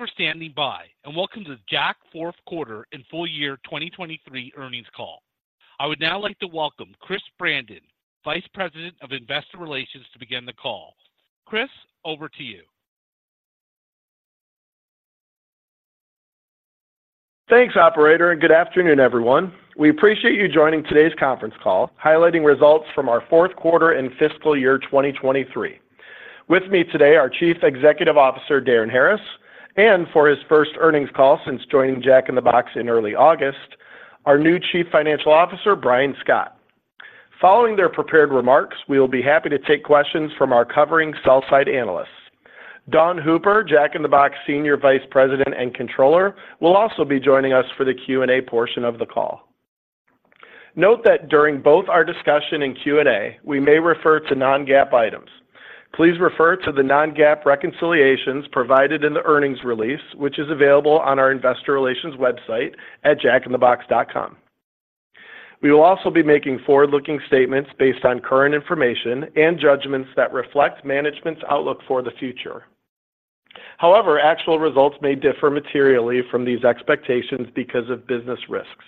Thank you for standing by, and welcome to the Jack fourth quarter and full year 2023 earnings call. I would now like to welcome Chris Brandon, Vice President of Investor Relations, to begin the call. Chris, over to you. Thanks, operator, and good afternoon, everyone. We appreciate you joining today's conference call, highlighting results from our fourth quarter and fiscal year 2023. With me today, our Chief Executive Officer, Darin Harris, and for his first earnings call since joining Jack in the Box in early August, our new Chief Financial Officer, Brian Scott. Following their prepared remarks, we will be happy to take questions from our covering sell-side analysts. Dawn Hooper, Jack in the Box Senior Vice President and Controller, will also be joining us for the Q&A portion of the call. Note that during both our discussion and Q&A, we may refer to non-GAAP items. Please refer to the non-GAAP reconciliations provided in the earnings release, which is available on our investor relations website at jackinthebox.com. We will also be making forward-looking statements based on current information and judgments that reflect management's outlook for the future. However, actual results may differ materially from these expectations because of business risks.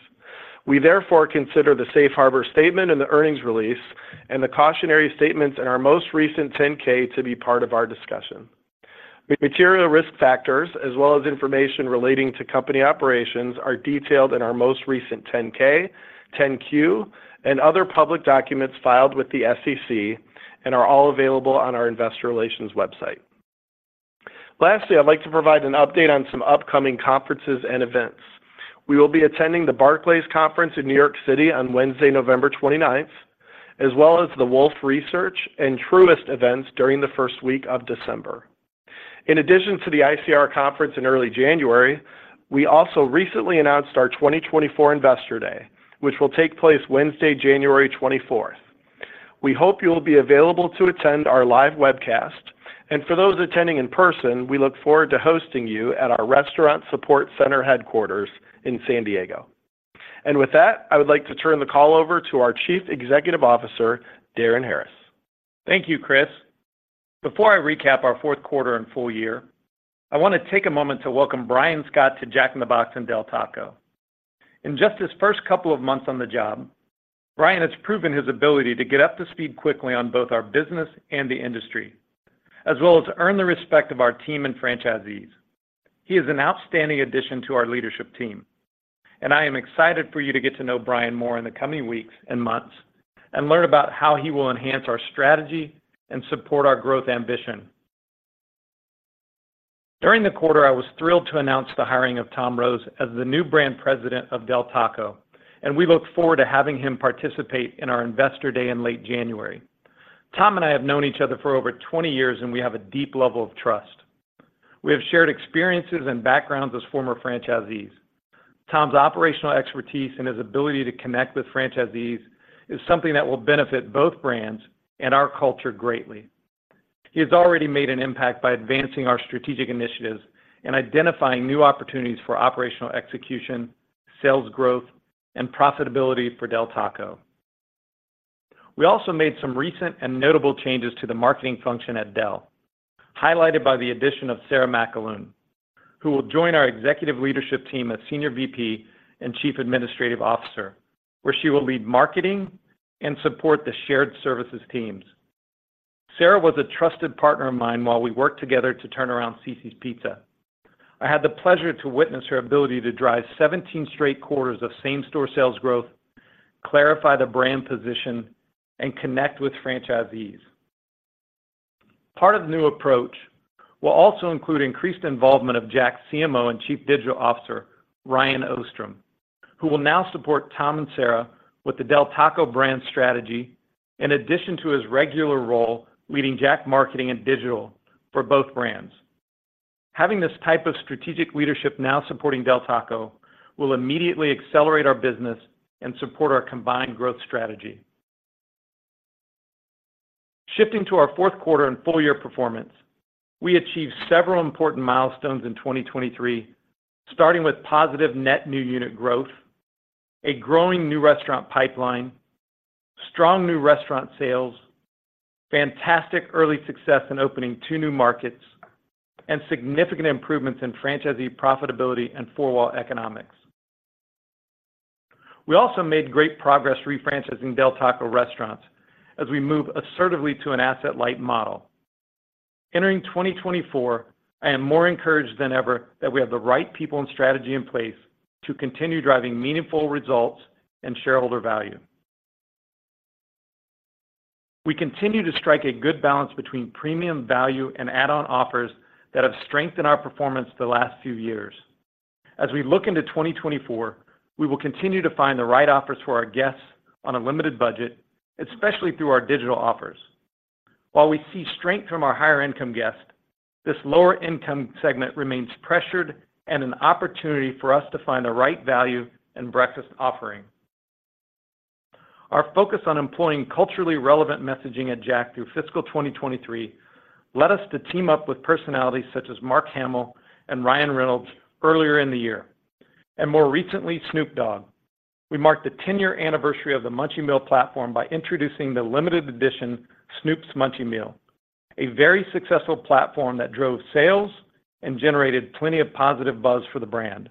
We therefore consider the Safe Harbor statement in the earnings release and the cautionary statements in our most recent 10-K to be part of our discussion. Material risk factors as well as information relating to company operations are detailed in our most recent 10-K, 10-Q, and other public documents filed with the SEC and are all available on our investor relations website. Lastly, I'd like to provide an update on some upcoming conferences and events. We will be attending the Barclays Conference in New York City on Wednesday, November 29th, as well as the Wolfe Research and Truist events during the first week of December. In addition to the ICR conference in early January, we also recently announced our 2024 Investor Day, which will take place Wednesday, January 24th. We hope you'll be available to attend our live webcast, and for those attending in person, we look forward to hosting you at our Restaurant Support Center headquarters in San Diego. With that, I would like to turn the call over to our Chief Executive Officer, Darin Harris. Thank you, Chris. Before I recap our fourth quarter and full year, I want to take a moment to welcome Brian Scott to Jack in the Box and Del Taco. In just his first couple of months on the job, Brian has proven his ability to get up to speed quickly on both our business and the industry, as well as earn the respect of our team and franchisees. He is an outstanding addition to our leadership team, and I am excited for you to get to know Brian more in the coming weeks and months and learn about how he will enhance our strategy and support our growth ambition. During the quarter, I was thrilled to announce the hiring of Tom Rose as the new Brand President of Del Taco, and we look forward to having him participate in our Investor Day in late January. Tom and I have known each other for over 20 years, and we have a deep level of trust. We have shared experiences and backgrounds as former franchisees. Tom's operational expertise and his ability to connect with franchisees is something that will benefit both brands and our culture greatly. He has already made an impact by advancing our strategic initiatives and identifying new opportunities for operational execution, sales growth, and profitability for Del Taco. We also made some recent and notable changes to the marketing function at Del, highlighted by the addition of Sara McAloon, who will join our executive leadership team as Senior VP and Chief Administrative Officer, where she will lead marketing and support the shared services teams. Sara was a trusted partner of mine while we worked together to turn around Cici's Pizza. I had the pleasure to witness her ability to drive 17 straight quarters of same-store sales growth, clarify the brand position, and connect with franchisees. Part of the new approach will also include increased involvement of Jack's CMO and Chief Digital Officer, Ryan Ostrom, who will now support Tom and Sara with the Del Taco brand strategy, in addition to his regular role leading Jack marketing and digital for both brands. Having this type of strategic leadership now supporting Del Taco will immediately accelerate our business and support our combined growth strategy. Shifting to our fourth quarter and full year performance, we achieved several important milestones in 2023, starting with positive net new unit growth, a growing new restaurant pipeline, strong new restaurant sales, fantastic early success in opening 2 new markets, and significant improvements in franchisee profitability and four-wall economics. We also made great progress refranchising Del Taco restaurants as we move assertively to an asset-light model. Entering 2024, I am more encouraged than ever that we have the right people and strategy in place to continue driving meaningful results and shareholder value. We continue to strike a good balance between premium value and add-on offers that have strengthened our performance the last few years. As we look into 2024, we will continue to find the right offers for our guests on a limited budget, especially through our digital offers. While we see strength from our higher-income guests, this lower-income segment remains pressured and an opportunity for us to find the right value and breakfast offering. Our focus on employing culturally relevant messaging at Jack through fiscal 2023 led us to team up with personalities such as Mark Hamill and Ryan Reynolds earlier in the year.... More recently, Snoop Dogg. We marked the 10-year anniversary of the Munchie Meal platform by introducing the limited edition Snoop's Munchie Meal, a very successful platform that drove sales and generated plenty of positive buzz for the brand.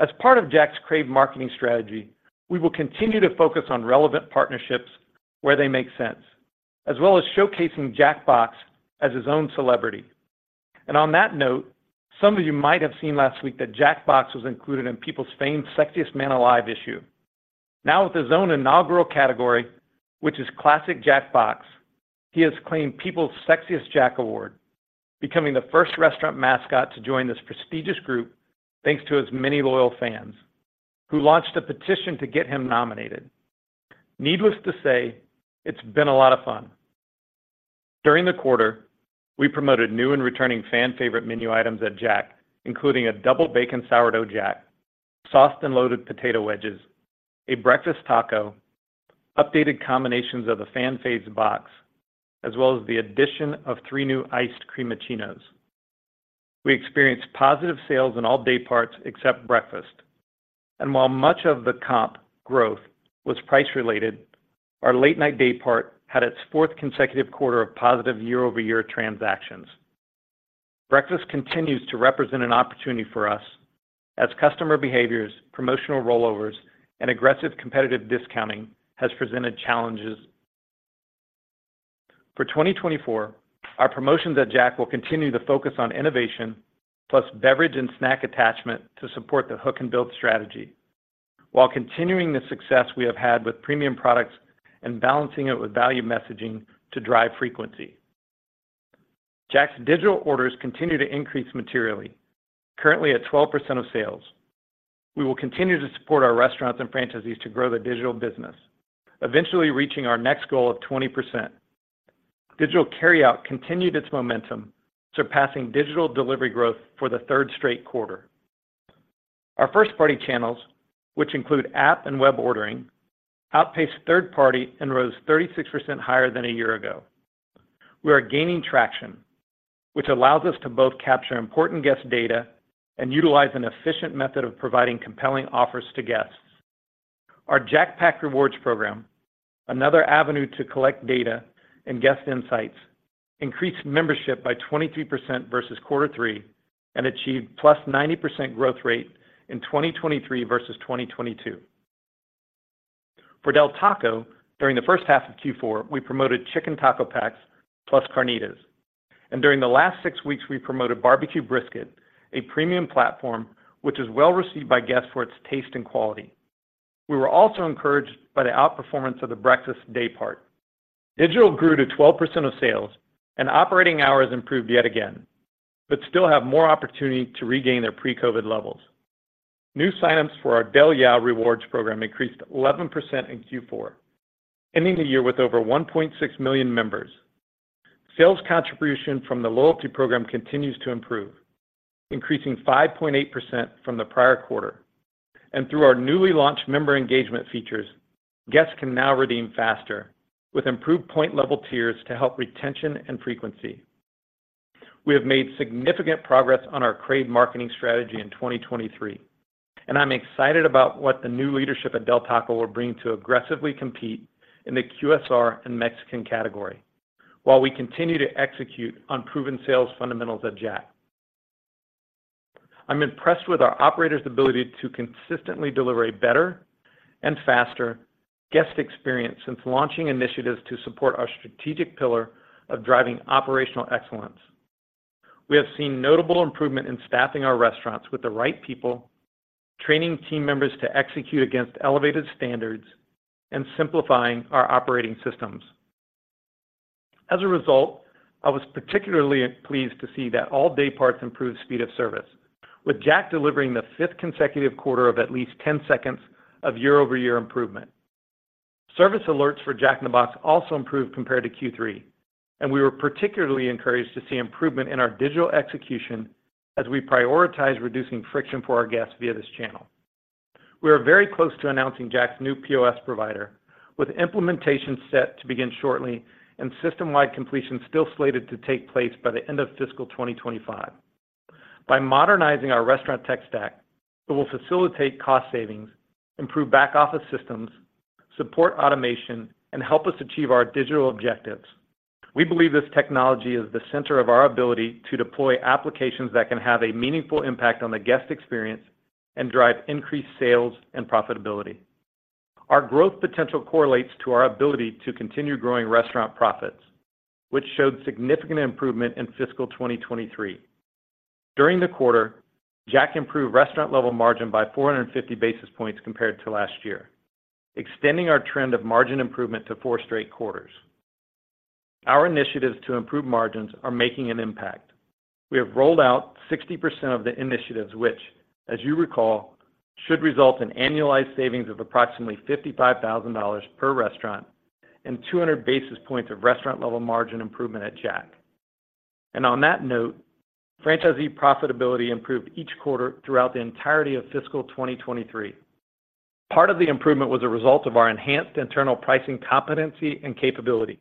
As part of Jack's crave marketing strategy, we will continue to focus on relevant partnerships where they make sense, as well as showcasing Jack Box as his own celebrity. And on that note, some of you might have seen last week that Jack Box was included in People's Sexiest Man Alive issue. Now with his own inaugural category, which is classic Jack Box, he has claimed People's Sexiest Jack Award, becoming the first restaurant mascot to join this prestigious group, thanks to his many loyal fans, who launched a petition to get him nominated. Needless to say, it's been a lot of fun. During the quarter, we promoted new and returning fan favorite menu items at Jack, including a Double Bacon Sourdough Jack, soft and loaded potato wedges, a breakfast taco, updated combinations of the Fan Faves Box, as well as the addition of 3 new Iced Crema Chinos. We experienced positive sales in all day parts, except breakfast. While much of the comp growth was price-related, our late night day part had its fourth consecutive quarter of positive year-over-year transactions. Breakfast continues to represent an opportunity for us as customer behaviors, promotional rollovers, and aggressive competitive discounting has presented challenges. For 2024, our promotions at Jack will continue to focus on innovation, plus beverage and snack attachment to support the hook and build strategy, while continuing the success we have had with premium products and balancing it with value messaging to drive frequency. Jack's digital orders continue to increase materially. Currently, at 12% of sales, we will continue to support our restaurants and franchisees to grow the digital business, eventually reaching our next goal of 20%. Digital carryout continued its momentum, surpassing digital delivery growth for the third straight quarter. Our first-party channels, which include app and web ordering, outpaced third party and rose 36% higher than a year ago. We are gaining traction, which allows us to both capture important guest data and utilize an efficient method of providing compelling offers to guests. Our Jack Pack Rewards program, another avenue to collect data and guest insights, increased membership by 23% versus quarter three, and achieved +90% growth rate in 2023 versus 2022. For Del Taco, during the first half of Q4, we promoted chicken taco packs plus carnitas, and during the last 6 weeks, we promoted barbecue brisket, a premium platform which is well-received by guests for its taste and quality. We were also encouraged by the outperformance of the breakfast day part. Digital grew to 12% of sales, and operating hours improved yet again, but still have more opportunity to regain their pre-COVID levels. New signups for our Del Yeah Rewards program increased 11% in Q4, ending the year with over 1.6 million members. Sales contribution from the loyalty program continues to improve, increasing 5.8% from the prior quarter. Through our newly launched member engagement features, guests can now redeem faster with improved point level tiers to help retention and frequency. We have made significant progress on our crave marketing strategy in 2023, and I'm excited about what the new leadership at Del Taco will bring to aggressively compete in the QSR and Mexican category, while we continue to execute on proven sales fundamentals at Jack. I'm impressed with our operators' ability to consistently deliver a better and faster guest experience since launching initiatives to support our strategic pillar of driving operational excellence. We have seen notable improvement in staffing our restaurants with the right people, training team members to execute against elevated standards, and simplifying our operating systems. As a result, I was particularly pleased to see that all-day parts improved speed of service, with Jack delivering the fifth consecutive quarter of at least 10 seconds of year-over-year improvement. Service alerts for Jack in the Box also improved compared to Q3, and we were particularly encouraged to see improvement in our digital execution as we prioritize reducing friction for our guests via this channel. We are very close to announcing Jack in the Box's new POS provider, with implementation set to begin shortly and system-wide completion still slated to take place by the end of fiscal 2025. By modernizing our restaurant tech stack, it will facilitate cost savings, improve back-office systems, support automation, and help us achieve our digital objectives. We believe this technology is the center of our ability to deploy applications that can have a meaningful impact on the guest experience and drive increased sales and profitability. Our growth potential correlates to our ability to continue growing restaurant profits, which showed significant improvement in fiscal 2023. During the quarter, Jack improved restaurant level margin by 450 basis points compared to last year, extending our trend of margin improvement to 4 straight quarters. Our initiatives to improve margins are making an impact. We have rolled out 60% of the initiatives, which, as you recall, should result in annualized savings of approximately $55,000 per restaurant and 200 basis points of restaurant level margin improvement at Jack. On that note, franchisee profitability improved each quarter throughout the entirety of fiscal 2023. Part of the improvement was a result of our enhanced internal pricing competency and capability...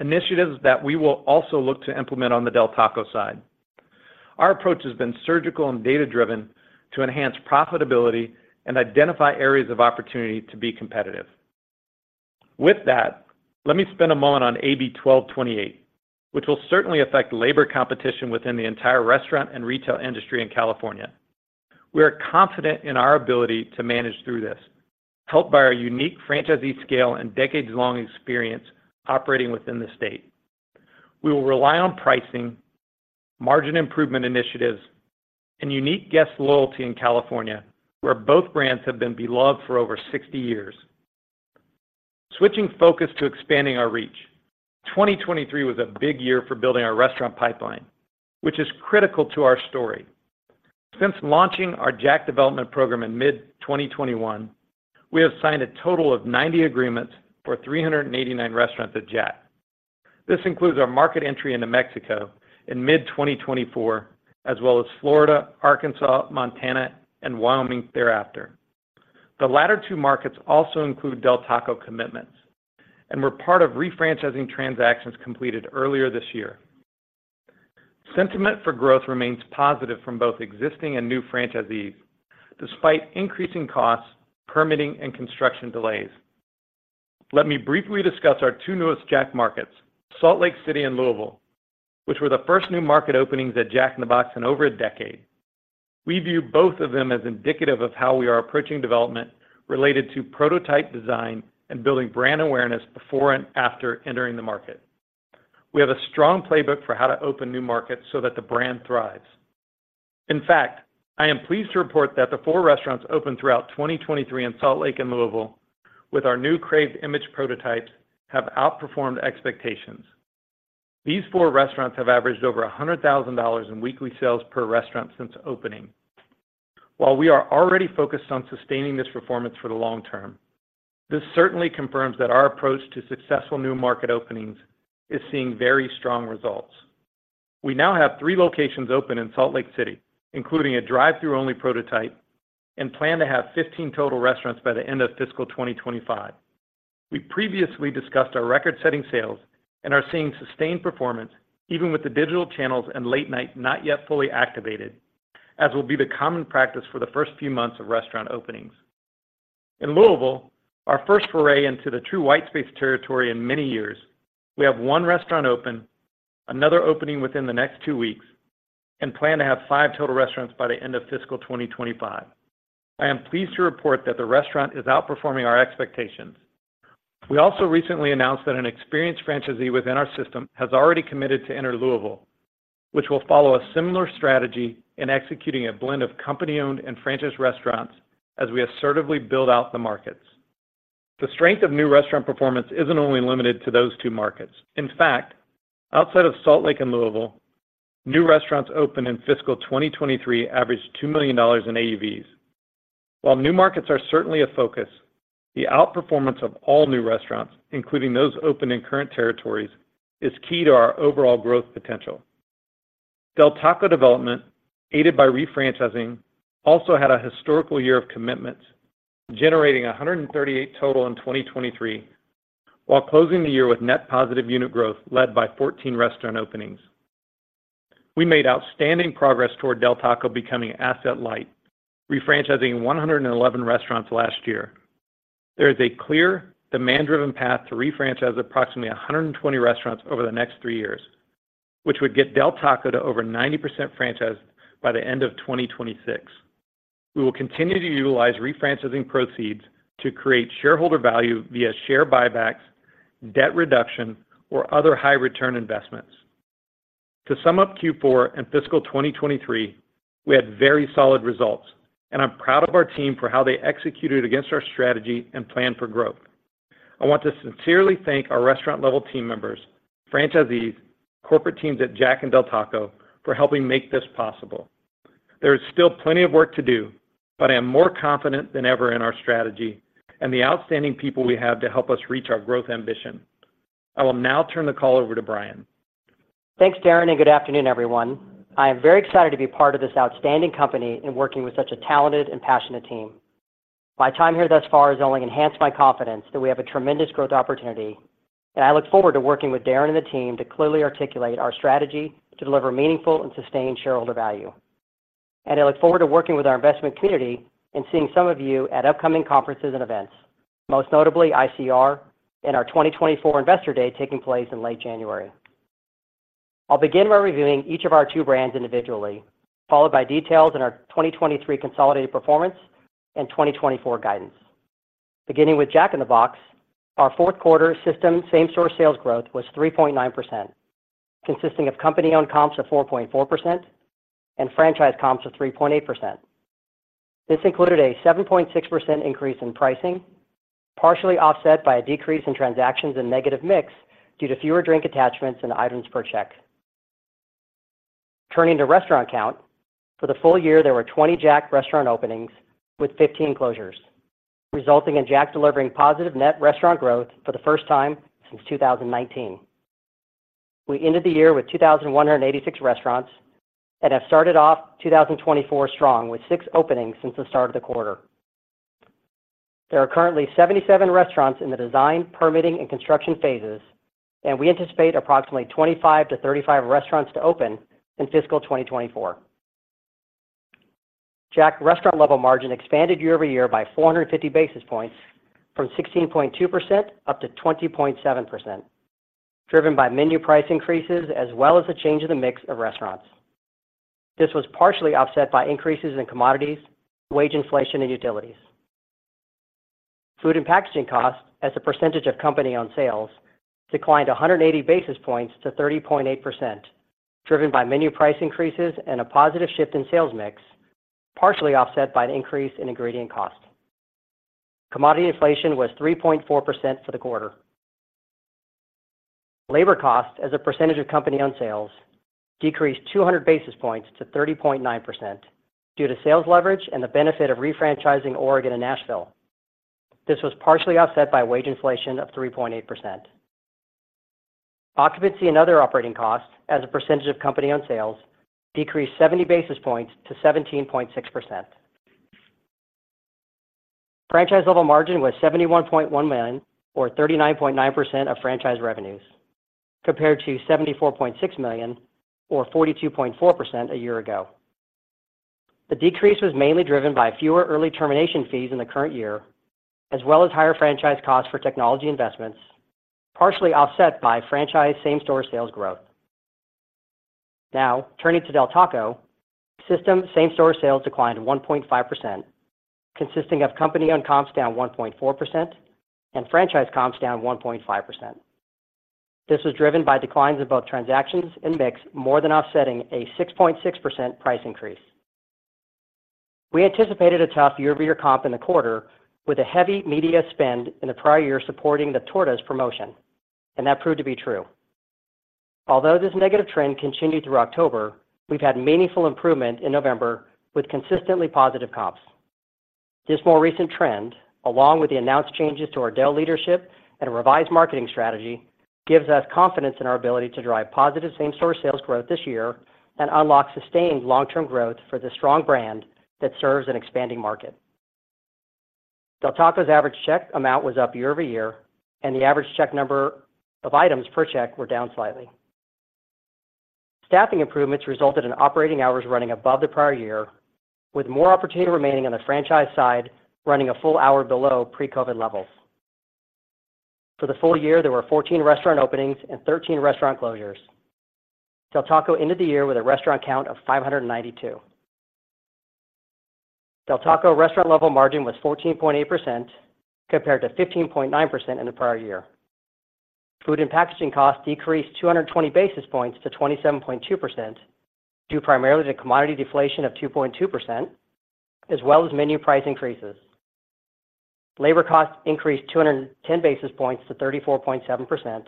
initiatives that we will also look to implement on the Del Taco side. Our approach has been surgical and data-driven to enhance profitability and identify areas of opportunity to be competitive. With that, let me spend a moment on AB 1228, which will certainly affect labor competition within the entire restaurant and retail industry in California. We are confident in our ability to manage through this, helped by our unique franchisee scale and decades-long experience operating within the state. We will rely on pricing, margin improvement initiatives, and unique guest loyalty in California, where both brands have been beloved for over 60 years. Switching focus to expanding our reach. 2023 was a big year for building our restaurant pipeline, which is critical to our story. Since launching our Jack development program in mid-2021, we have signed a total of 90 agreements for 389 restaurants at Jack. This includes our market entry into Mexico in mid-2024, as well as Florida, Arkansas, Montana, and Wyoming thereafter. The latter two markets also include Del Taco commitments and were part of refranchising transactions completed earlier this year. Sentiment for growth remains positive from both existing and new franchisees, despite increasing costs, permitting, and construction delays. Let me briefly discuss our two newest Jack markets, Salt Lake City and Louisville, which were the first new market openings at Jack in the Box in over a decade. We view both of them as indicative of how we are approaching development related to prototype design and building brand awareness before and after entering the market. We have a strong playbook for how to open new markets so that the brand thrives. In fact, I am pleased to report that the four restaurants opened throughout 2023 in Salt Lake and Louisville with our new craved image prototypes, have outperformed expectations. These four restaurants have averaged over $100,000 in weekly sales per restaurant since opening. While we are already focused on sustaining this performance for the long term, this certainly confirms that our approach to successful new market openings is seeing very strong results. We now have 3 locations open in Salt Lake City, including a drive-thru only prototype, and plan to have 15 total restaurants by the end of fiscal 2025. We previously discussed our record-setting sales and are seeing sustained performance, even with the digital channels and late night not yet fully activated, as will be the common practice for the first few months of restaurant openings. In Louisville, our first foray into the true white space territory in many years, we have one restaurant open, another opening within the next two weeks, and plan to have five total restaurants by the end of fiscal 2025. I am pleased to report that the restaurant is outperforming our expectations. We also recently announced that an experienced franchisee within our system has already committed to enter Louisville, which will follow a similar strategy in executing a blend of company-owned and franchised restaurants as we assertively build out the markets. The strength of new restaurant performance isn't only limited to those two markets. In fact, outside of Salt Lake and Louisville, new restaurants opened in fiscal 2023 averaged $2 million in AUVs. While new markets are certainly a focus, the outperformance of all new restaurants, including those opened in current territories, is key to our overall growth potential. Del Taco development, aided by refranchising, also had a historical year of commitments, generating 138 total in 2023, while closing the year with net positive unit growth led by 14 restaurant openings. We made outstanding progress toward Del Taco becoming asset light, refranchising 111 restaurants last year. There is a clear, demand-driven path to refranchise approximately 120 restaurants over the next three years, which would get Del Taco to over 90% franchised by the end of 2026. We will continue to utilize refranchising proceeds to create shareholder value via share buybacks, debt reduction, or other high-return investments. To sum up Q4 and fiscal 2023, we had very solid results, and I'm proud of our team for how they executed against our strategy and plan for growth. I want to sincerely thank our restaurant-level team members, franchisees, corporate teams at Jack and Del Taco for helping make this possible. There is still plenty of work to do, but I am more confident than ever in our strategy and the outstanding people we have to help us reach our growth ambition. I will now turn the call over to Brian. Thanks, Darin, and good afternoon, everyone. I am very excited to be part of this outstanding company and working with such a talented and passionate team. My time here thus far has only enhanced my confidence that we have a tremendous growth opportunity, and I look forward to working with Darin and the team to clearly articulate our strategy to deliver meaningful and sustained shareholder value. I look forward to working with our investment community and seeing some of you at upcoming conferences and events, most notably ICR and our 2024 Investor Day taking place in late January. I'll begin by reviewing each of our two brands individually, followed by details in our 2023 consolidated performance and 2024 guidance. Beginning with Jack in the Box, our fourth quarter system same-store sales growth was 3.9%, consisting of company-owned comps of 4.4% and franchise comps of 3.8%. This included a 7.6% increase in pricing, partially offset by a decrease in transactions and negative mix due to fewer drink attachments and items per check. Turning to restaurant count, for the full year, there were 20 Jack restaurant openings with 15 closures, resulting in Jack delivering positive net restaurant growth for the first time since 2019. We ended the year with 2,186 restaurants and have started off 2024 strong, with 6 openings since the start of the quarter. There are currently 77 restaurants in the design, permitting, and construction phases, and we anticipate approximately 25-35 restaurants to open in fiscal 2024. Jack restaurant-level margin expanded year-over-year by 450 basis points from 16.2% up to 20.7%, driven by menu price increases as well as the change in the mix of restaurants. This was partially offset by increases in commodities, wage inflation, and utilities. Food and packaging costs, as a percentage of company-owned sales, declined 180 basis points to 30.8%, driven by menu price increases and a positive shift in sales mix, partially offset by an increase in ingredient cost. Commodity inflation was 3.4% for the quarter. Labor costs, as a percentage of company-owned sales, decreased 200 basis points to 30.9% due to sales leverage and the benefit of refranchising Oregon and Nashville. This was partially offset by wage inflation of 3.8%. Occupancy and other operating costs, as a percentage of company-owned sales, decreased 70 basis points to 17.6%. Franchise-level margin was $71.1 million, or 39.9% of franchise revenues, compared to $74.6 million or 42.4% a year ago. The decrease was mainly driven by fewer early termination fees in the current year, as well as higher franchise costs for technology investments, partially offset by franchise same-store sales growth. Now, turning to Del Taco. Systemwide same-store sales declined to 1.5%, consisting of company-owned comps down 1.4% and franchise comps down 1.5%. This was driven by declines in both transactions and mix, more than offsetting a 6.6% price increase. We anticipated a tough year-over-year comp in the quarter with a heavy media spend in the prior year supporting the tortas promotion, and that proved to be true. Although this negative trend continued through October, we've had meaningful improvement in November with consistently positive comps. This more recent trend, along with the announced changes to our Del leadership and a revised marketing strategy, gives us confidence in our ability to drive positive same-store sales growth this year and unlock sustained long-term growth for this strong brand that serves an expanding market. Del Taco's average check amount was up year-over-year, and the average check number of items per check were down slightly. Staffing improvements resulted in operating hours running above the prior year, with more opportunity remaining on the franchise side, running a full hour below pre-COVID levels. For the full year, there were 14 restaurant openings and 13 restaurant closures. Del Taco ended the year with a restaurant count of 592. Del Taco restaurant level margin was 14.8%, compared to 15.9% in the prior year. Food and packaging costs decreased 220 basis points to 27.2%, due primarily to commodity deflation of 2.2%, as well as menu price increases. Labor costs increased 210 basis points to 34.7%,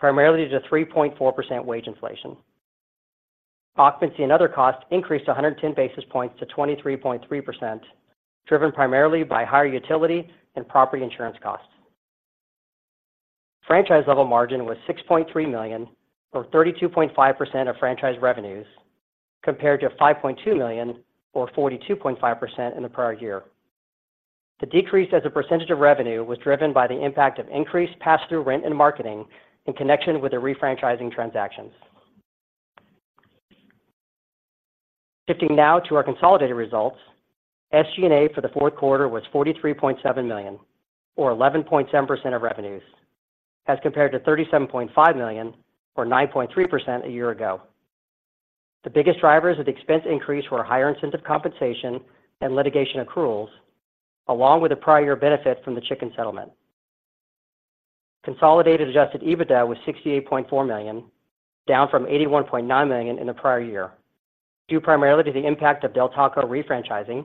primarily due to 3.4% wage inflation. Occupancy and other costs increased to 110 basis points to 23.3%, driven primarily by higher utility and property insurance costs. Franchise level margin was $6.3 million, or 32.5% of franchise revenues, compared to $5.2 million or 42.5% in the prior year. The decrease as a percentage of revenue was driven by the impact of increased pass-through rent and marketing in connection with the refranchising transactions. Shifting now to our consolidated results. SG&A for the fourth quarter was $43.7 million, or 11.7% of revenues, as compared to $37.5 million or 9.3% a year ago. The biggest drivers of the expense increase were higher incentive compensation and litigation accruals, along with a prior year benefit from the chicken settlement. Consolidated adjusted EBITDA was $68.4 million, down from $81.9 million in the prior year, due primarily to the impact of Del Taco refranchising,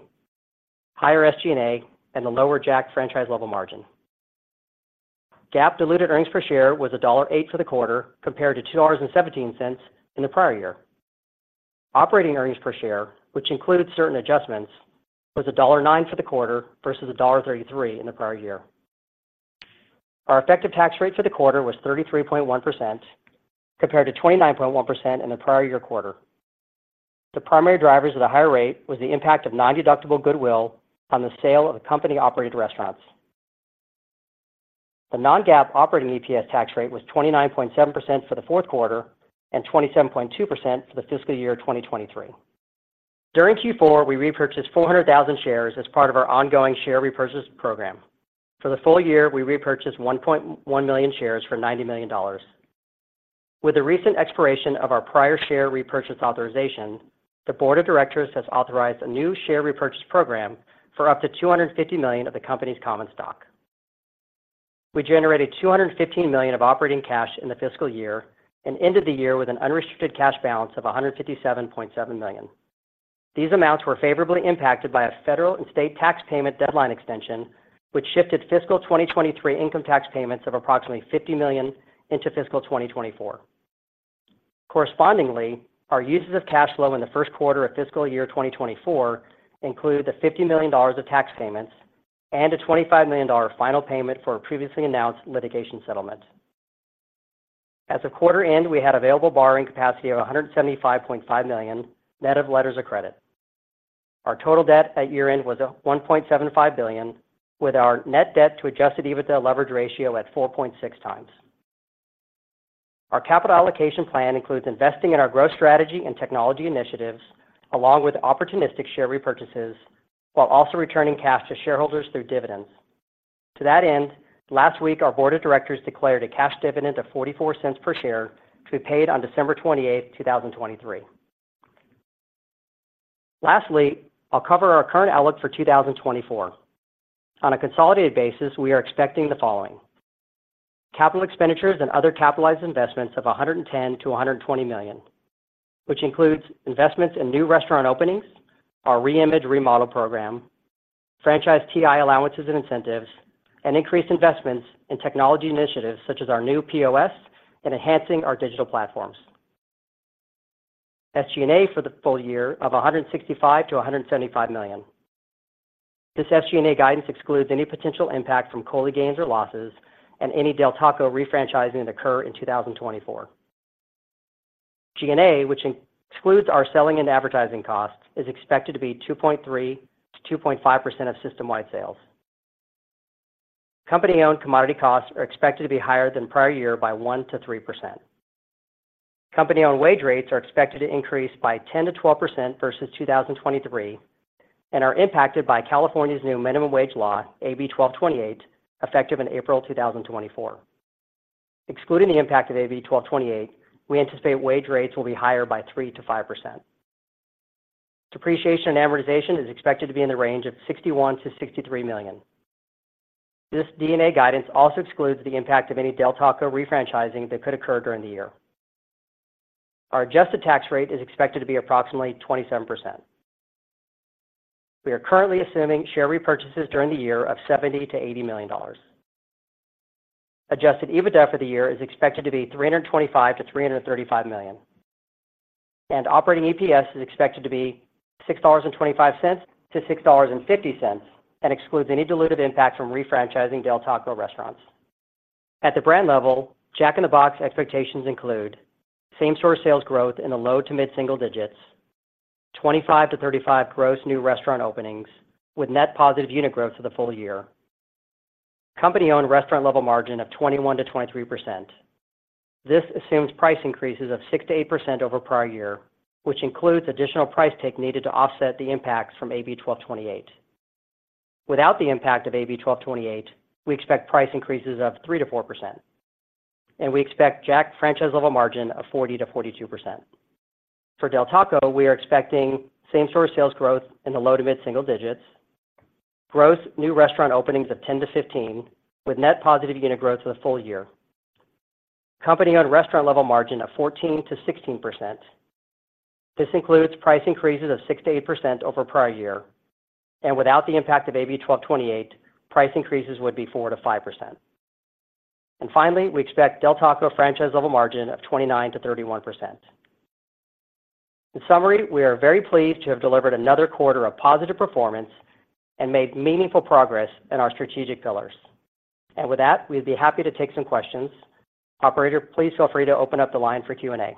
higher SG&A, and the lower Jack franchise level margin. GAAP diluted earnings per share was $1.08 for the quarter, compared to $2.17 in the prior year. Operating earnings per share, which included certain adjustments, was $1.09 for the quarter versus $1.33 in the prior year. Our effective tax rate for the quarter was 33.1%, compared to 29.1% in the prior year quarter. The primary drivers of the higher rate was the impact of nondeductible goodwill on the sale of the company-operated restaurants. The non-GAAP operating EPS tax rate was 29.7% for the fourth quarter and 27.2% for the fiscal year 2023. During Q4, we repurchased 400,000 shares as part of our ongoing share repurchase program. For the full year, we repurchased 1.1 million shares for $90 million. With the recent expiration of our prior share repurchase authorization, the board of directors has authorized a new share repurchase program for up to 250 million of the company's common stock. We generated $215 million of operating cash in the fiscal year and ended the year with an unrestricted cash balance of $157.7 million. These amounts were favorably impacted by a federal and state tax payment deadline extension, which shifted fiscal 2023 income tax payments of approximately $50 million into fiscal 2024. Correspondingly, our uses of cash flow in the first quarter of fiscal year 2024 include the $50 million of tax payments and a $25 million final payment for a previously announced litigation settlement. At the quarter end, we had available borrowing capacity of $175.5 million, net of letters of credit. Our total debt at year-end was one point seven five billion, with our net debt to adjusted EBITDA leverage ratio at 4.6 times. Our capital allocation plan includes investing in our growth strategy and technology initiatives, along with opportunistic share repurchases, while also returning cash to shareholders through dividends. To that end, last week, our board of directors declared a cash dividend of $0.44 per share, to be paid on December 28, 2023. Lastly, I'll cover our current outlook for 2024. On a consolidated basis, we are expecting the following: capital expenditures and other capitalized investments of $110 million-$120 million, which includes investments in new restaurant openings, our reimage remodel program, franchise TI allowances and incentives, and increased investments in technology initiatives such as our new POS and enhancing our digital platforms. SG&A for the full year of $165 million-$175 million. This SG&A guidance excludes any potential impact from COLI gains or losses and any Del Taco refranchising that occur in 2024. SG&A, which excludes our selling and advertising costs, is expected to be 2.3%-2.5% of system-wide sales. Company-owned commodity costs are expected to be higher than prior year by 1%-3%. Company-owned wage rates are expected to increase by 10%-12% versus 2023, and are impacted by California's new minimum wage law, AB 1228, effective in April 2024. Excluding the impact of AB 1228, we anticipate wage rates will be higher by 3%-5%. Depreciation and amortization is expected to be in the range of $61 million-$63 million. This D&A guidance also excludes the impact of any Del Taco refranchising that could occur during the year. Our adjusted tax rate is expected to be approximately 27%. We are currently assuming share repurchases during the year of $70-$80 million. Adjusted EBITDA for the year is expected to be $325-$335 million, and operating EPS is expected to be $6.25-$6.50, and excludes any dilutive impact from refranchising Del Taco restaurants. At the brand level, Jack in the Box expectations include same-store sales growth in the low to mid-single digits, 25-35 gross new restaurant openings, with net positive unit growth for the full year. Company-owned restaurant level margin of 21%-23%. This assumes price increases of 6%-8% over prior year, which includes additional price take needed to offset the impacts from AB 1228. Without the impact of AB 1228, we expect price increases of 3%-4%, and we expect Jack franchise level margin of 40%-42%. For Del Taco, we are expecting same-store sales growth in the low to mid-single digits, gross new restaurant openings of 10-15, with net positive unit growth for the full year. Company-owned restaurant level margin of 14%-16%. This includes price increases of 6%-8% over prior year, and without the impact of AB 1228, price increases would be 4%-5%. And finally, we expect Del Taco franchise level margin of 29%-31%. In summary, we are very pleased to have delivered another quarter of positive performance and made meaningful progress in our strategic pillars. And with that, we'd be happy to take some questions. Operator, please feel free to open up the line for Q&A.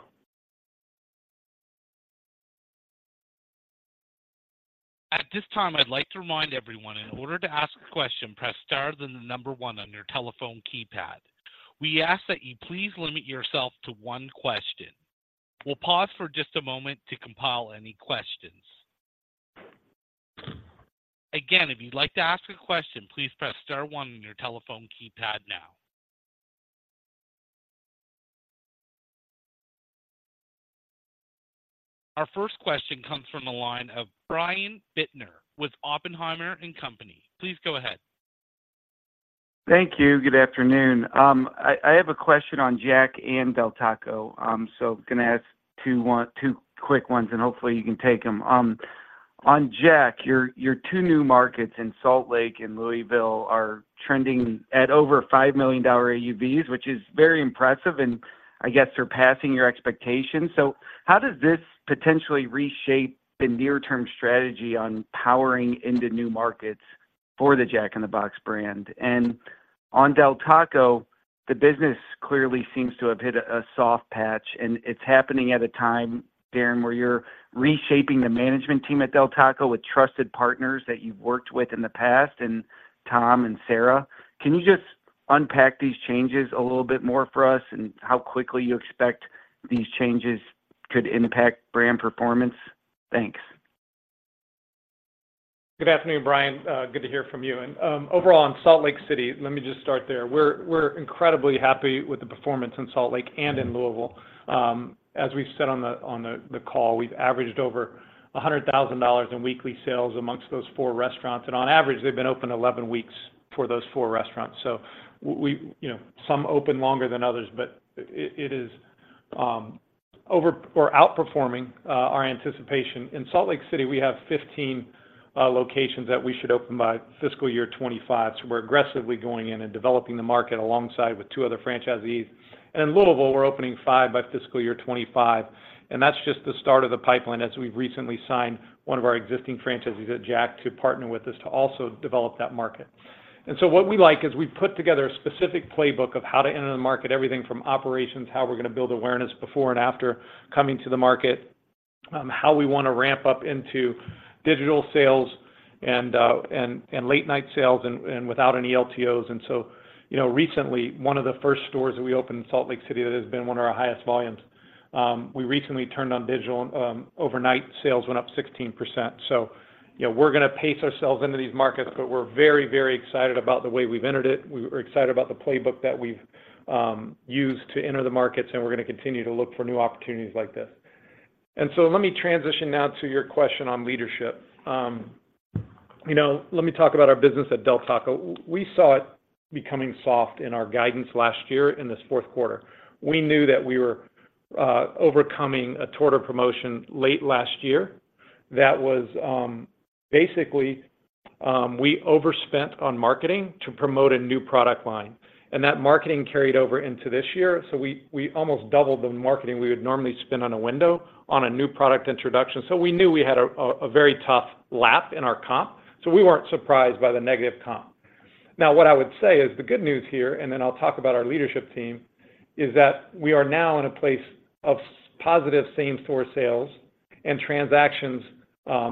At this time, I'd like to remind everyone, in order to ask a question, press star, then the number one on your telephone keypad. We ask that you please limit yourself to one question. We'll pause for just a moment to compile any questions. Again, if you'd like to ask a question, please press star one on your telephone keypad now. Our first question comes from the line of Brian Bittner with Oppenheimer and Company. Please go ahead. Thank you. Good afternoon. I have a question on Jack and Del Taco. So I'm going to ask two quick ones, and hopefully you can take them. On Jack, your two new markets in Salt Lake and Louisville are trending at over $5 million AUVs, which is very impressive and I guess surpassing your expectations. So how does this potentially reshape the near-term strategy on powering into new markets for the Jack in the Box brand? And on Del Taco, the business clearly seems to have hit a soft patch, and it's happening at a time, Darin, where you're reshaping the management team at Del Taco with trusted partners that you've worked with in the past, and Tom and Sara. Can you just unpack these changes a little bit more for us, and how quickly you expect these changes could impact brand performance? Thanks. Good afternoon, Brian. Good to hear from you. Overall, on Salt Lake City, let me just start there. We're incredibly happy with the performance in Salt Lake and in Louisville. As we've said on the call, we've averaged over $100,000 in weekly sales among those four restaurants, and on average, they've been open 11 weeks for those four restaurants. So, you know, some opened longer than others, but it is over or outperforming our anticipation. In Salt Lake City, we have 15 locations that we should open by fiscal year 2025. So we're aggressively going in and developing the market alongside with two other franchisees. In Louisville, we're opening 5 by fiscal year 2025, and that's just the start of the pipeline, as we've recently signed one of our existing franchisees at Jack to partner with us to also develop that market. So what we like is we've put together a specific playbook of how to enter the market, everything from operations, how we're going to build awareness before and after coming to the market.... how we wanna ramp up into digital sales and late night sales and without any LTOs. So, you know, recently, one of the first stores that we opened in Salt Lake City, that has been one of our highest volumes, we recently turned on digital, overnight sales went up 16%. So, you know, we're gonna pace ourselves into these markets, but we're very, very excited about the way we've entered it. We're excited about the playbook that we've used to enter the markets, and we're gonna continue to look for new opportunities like this. So let me transition now to your question on leadership. You know, let me talk about our business at Del Taco. We saw it becoming soft in our guidance last year in this fourth quarter. We knew that we were overcoming a torta promotion late last year. That was basically we overspent on marketing to promote a new product line, and that marketing carried over into this year, so we almost doubled the marketing we would normally spend on a window on a new product introduction. So we knew we had a very tough lap in our comp, so we weren't surprised by the negative comp. Now, what I would say is the good news here, and then I'll talk about our leadership team, is that we are now in a place of positive same-store sales and transactions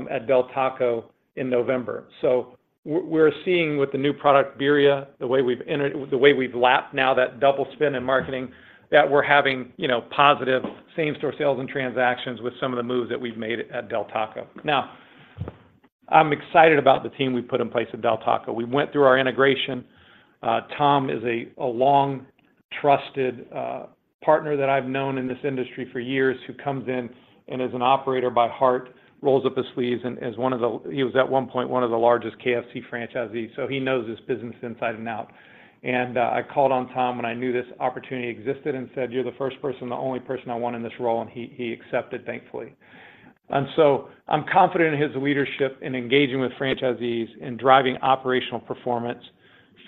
at Del Taco in November. So we're seeing with the new product, Birria, the way we've entered, the way we've lapped now, that double spin in marketing, that we're having, you know, positive same-store sales and transactions with some of the moves that we've made at Del Taco. Now, I'm excited about the team we've put in place at Del Taco. We went through our integration. Tom is a long, trusted partner that I've known in this industry for years, who comes in and is an operator by heart, rolls up his sleeves, and is one of the, he was, at one point, one of the largest KFC franchisees, so he knows this business inside and out. And I called on Tom when I knew this opportunity existed and said, "You're the first person, the only person I want in this role," and he accepted, thankfully. I'm confident in his leadership in engaging with franchisees and driving operational performance,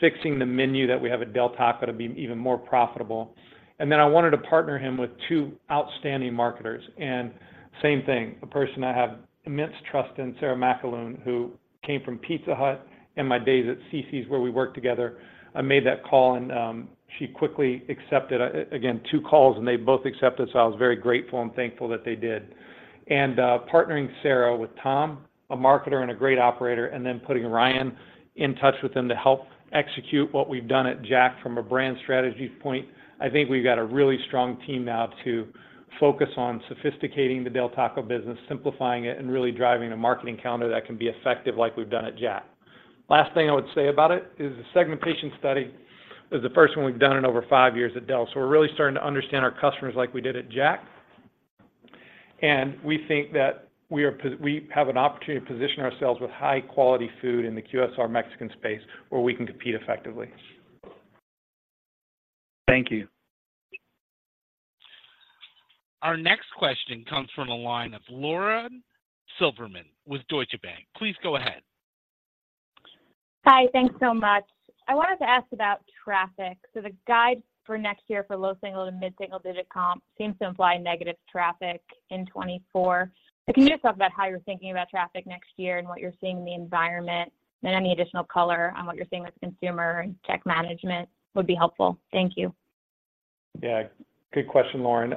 fixing the menu that we have at Del Taco to be even more profitable. Then I wanted to partner him with two outstanding marketers. Same thing, a person I have immense trust in, Sara McAloon, who came from Pizza Hut in my days at Cici's, where we worked together. I made that call, and she quickly accepted. Again, two calls, and they both accepted, so I was very grateful and thankful that they did. Partnering Sara with Tom, a marketer and a great operator, and then putting Ryan in touch with them to help execute what we've done at Jack from a brand strategy point, I think we've got a really strong team now to focus on sophisticating the Del Taco business, simplifying it, and really driving a marketing calendar that can be effective like we've done at Jack. Last thing I would say about it is the segmentation study is the first one we've done in over five years at Del, so we're really starting to understand our customers like we did at Jack. We think that we are—we have an opportunity to position ourselves with high-quality food in the QSR Mexican space, where we can compete effectively. Thank you. Our next question comes from the line of Lauren Silberman with Deutsche Bank. Please go ahead. Hi, thanks so much. I wanted to ask about traffic. So the guide for next year for low single to mid-single digit comp seems to imply negative traffic in 2024. So can you just talk about how you're thinking about traffic next year and what you're seeing in the environment, and any additional color on what you're seeing with consumer and tech management would be helpful. Thank you. Yeah. Good question, Lauren.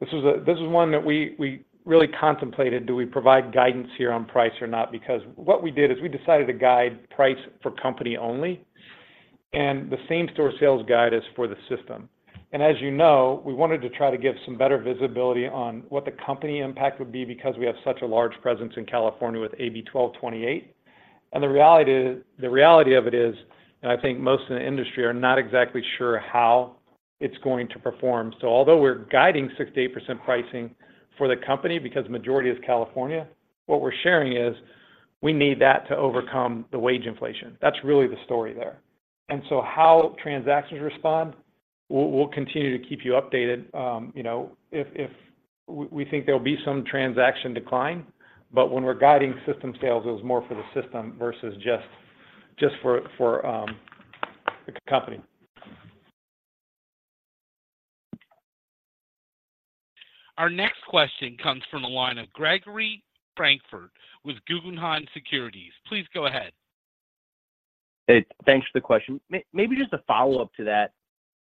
This is one that we, we really contemplated. Do we provide guidance here on price or not? Because what we did is we decided to guide price for company only, and the same-store sales guide is for the system. And as you know, we wanted to try to give some better visibility on what the company impact would be, because we have such a large presence in California with AB 1228. And the reality is, the reality of it is, and I think most in the industry are not exactly sure how it's going to perform. So although we're guiding 6%-8% pricing for the company because majority is California, what we're sharing is we need that to overcome the wage inflation. That's really the story there. So how transactions respond, we'll continue to keep you updated, you know, if we think there will be some transaction decline. But when we're guiding system sales, it was more for the system versus just for the company. Our next question comes from the line of Gregory Francfort with Guggenheim Securities. Please go ahead. Hey, thanks for the question. Maybe just a follow-up to that.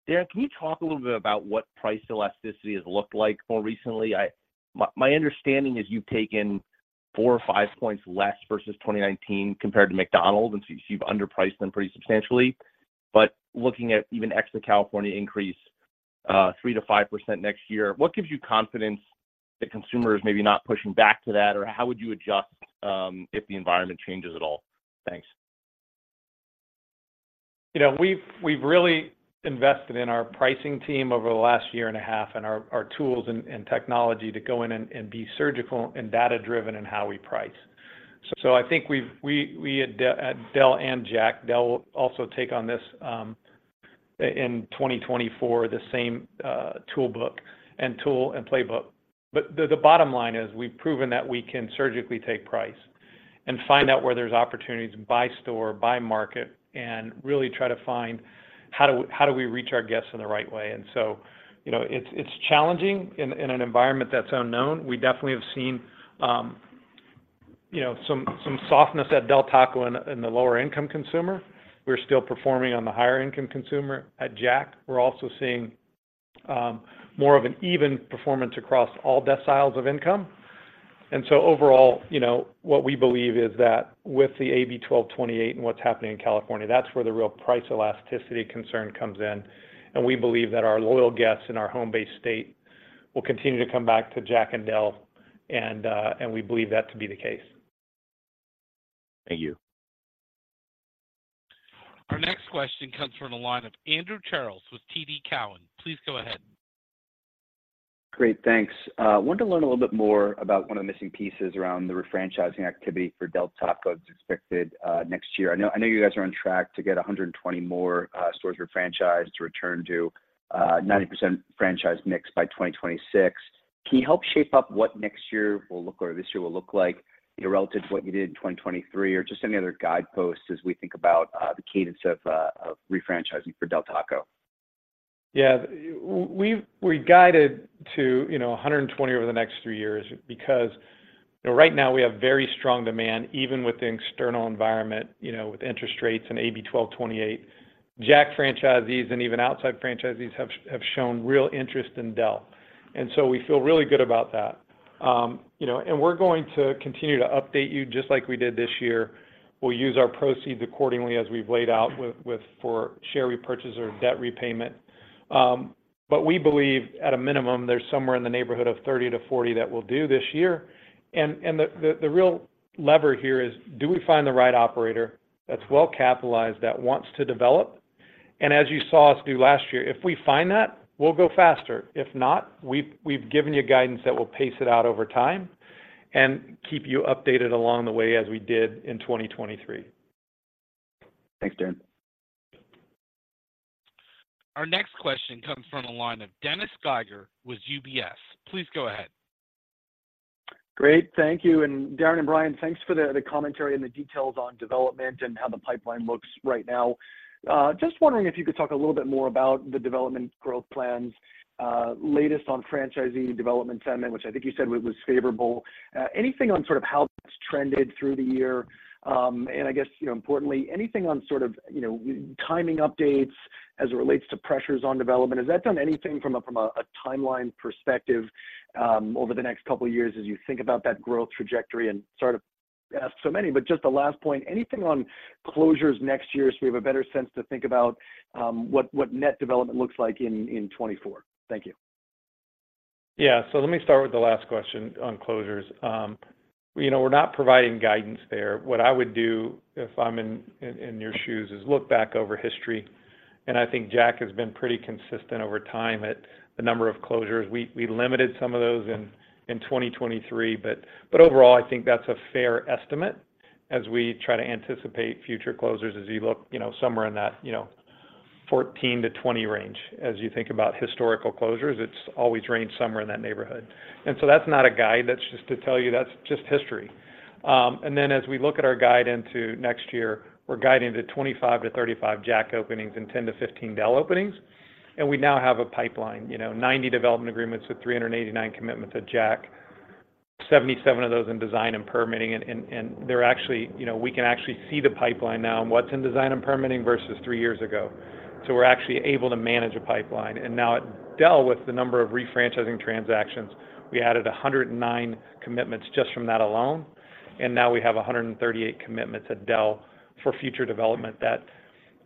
Darin, can you talk a little bit about what price elasticity has looked like more recently? My understanding is you've taken 4 or 5 points less versus 2019 compared to McDonald's, and so you've underpriced them pretty substantially. But looking at even extra California increase, 3%-5% next year, what gives you confidence that consumer is maybe not pushing back to that? Or how would you adjust, if the environment changes at all? Thanks. You know, we've really invested in our pricing team over the last year and a half, and our tools and technology to go in and be surgical and data-driven in how we price. So I think we at Del and Jack, Del will also take on this in 2024, the same toolkit and playbook. But the bottom line is, we've proven that we can surgically take price and find out where there's opportunities by store, by market, and really try to find how we reach our guests in the right way. And so, you know, it's challenging in an environment that's unknown. We definitely have seen you know, some softness at Del Taco in the lower income consumer. We're still performing on the higher income consumer. At Jack, we're also seeing more of an even performance across all deciles of income. And so overall, you know, what we believe is that with the AB 1228 and what's happening in California, that's where the real price elasticity concern comes in. And we believe that our loyal guests in our home-based state will continue to come back to Jack and Del, and we believe that to be the case. Thank you. Our next question comes from the line of Andrew Charles with TD Cowen. Please go ahead. Great, thanks. Wanted to learn a little bit more about one of the missing pieces around the refranchising activity for Del Taco that's expected next year. I know, I know you guys are on track to get 120 more stores refranchised to return to 90% franchise mix by 2026. Can you help shape up what next year will look or this year will look like, you know, relative to what you did in 2023, or just any other guideposts as we think about the cadence of refranchising for Del Taco? Yeah. We've guided to, you know, 120 over the next three years, because, you know, right now, we have very strong demand, even with the external environment, you know, with interest rates and AB 1228. Jack franchisees and even outside franchisees have shown real interest in Del, and so we feel really good about that. You know, and we're going to continue to update you, just like we did this year. We'll use our proceeds accordingly as we've laid out with for share repurchase or debt repayment. But we believe, at a minimum, there's somewhere in the neighborhood of 30-40 that we'll do this year. And the real lever here is, do we find the right operator that's well-capitalized, that wants to develop? As you saw us do last year, if we find that, we'll go faster. If not, we've given you guidance that we'll pace it out over time and keep you updated along the way, as we did in 2023. Thanks, Darin. Our next question comes from the line of Dennis Geiger with UBS. Please go ahead. Great, thank you. Darin and Brian, thanks for the commentary and the details on development and how the pipeline looks right now. Just wondering if you could talk a little bit more about the development growth plans, latest on franchisee development sentiment, which I think you said it was favorable. Anything on sort of how that's trended through the year? And I guess, you know, importantly, anything on sort of, you know, timing updates as it relates to pressures on development? Has that done anything from a timeline perspective, over the next couple of years as you think about that growth trajectory? And sort of ask so many, but just the last point, anything on closures next year, so we have a better sense to think about, what net development looks like in 2024? Thank you. Yeah. So let me start with the last question on closures. You know, we're not providing guidance there. What I would do if I'm in your shoes is look back over history, and I think Jack has been pretty consistent over time at the number of closures. We limited some of those in 2023, but overall, I think that's a fair estimate as we try to anticipate future closures as you look, you know, somewhere in that, you know, 14-20 range. As you think about historical closures, it's always ranged somewhere in that neighborhood. And so that's not a guide, that's just to tell you that's just history. And then, as we look at our guide into next year, we're guiding to 25-35 Jack openings and 10-15 Del openings, and we now have a pipeline. You know, 90 development agreements with 389 commitments at Jack, 77 of those in design and permitting. You know, we can actually see the pipeline now and what's in design and permitting versus three years ago. So we're actually able to manage a pipeline. And now at Del, with the number of refranchising transactions, we added 109 commitments just from that alone, and now we have 138 commitments at Del for future development. That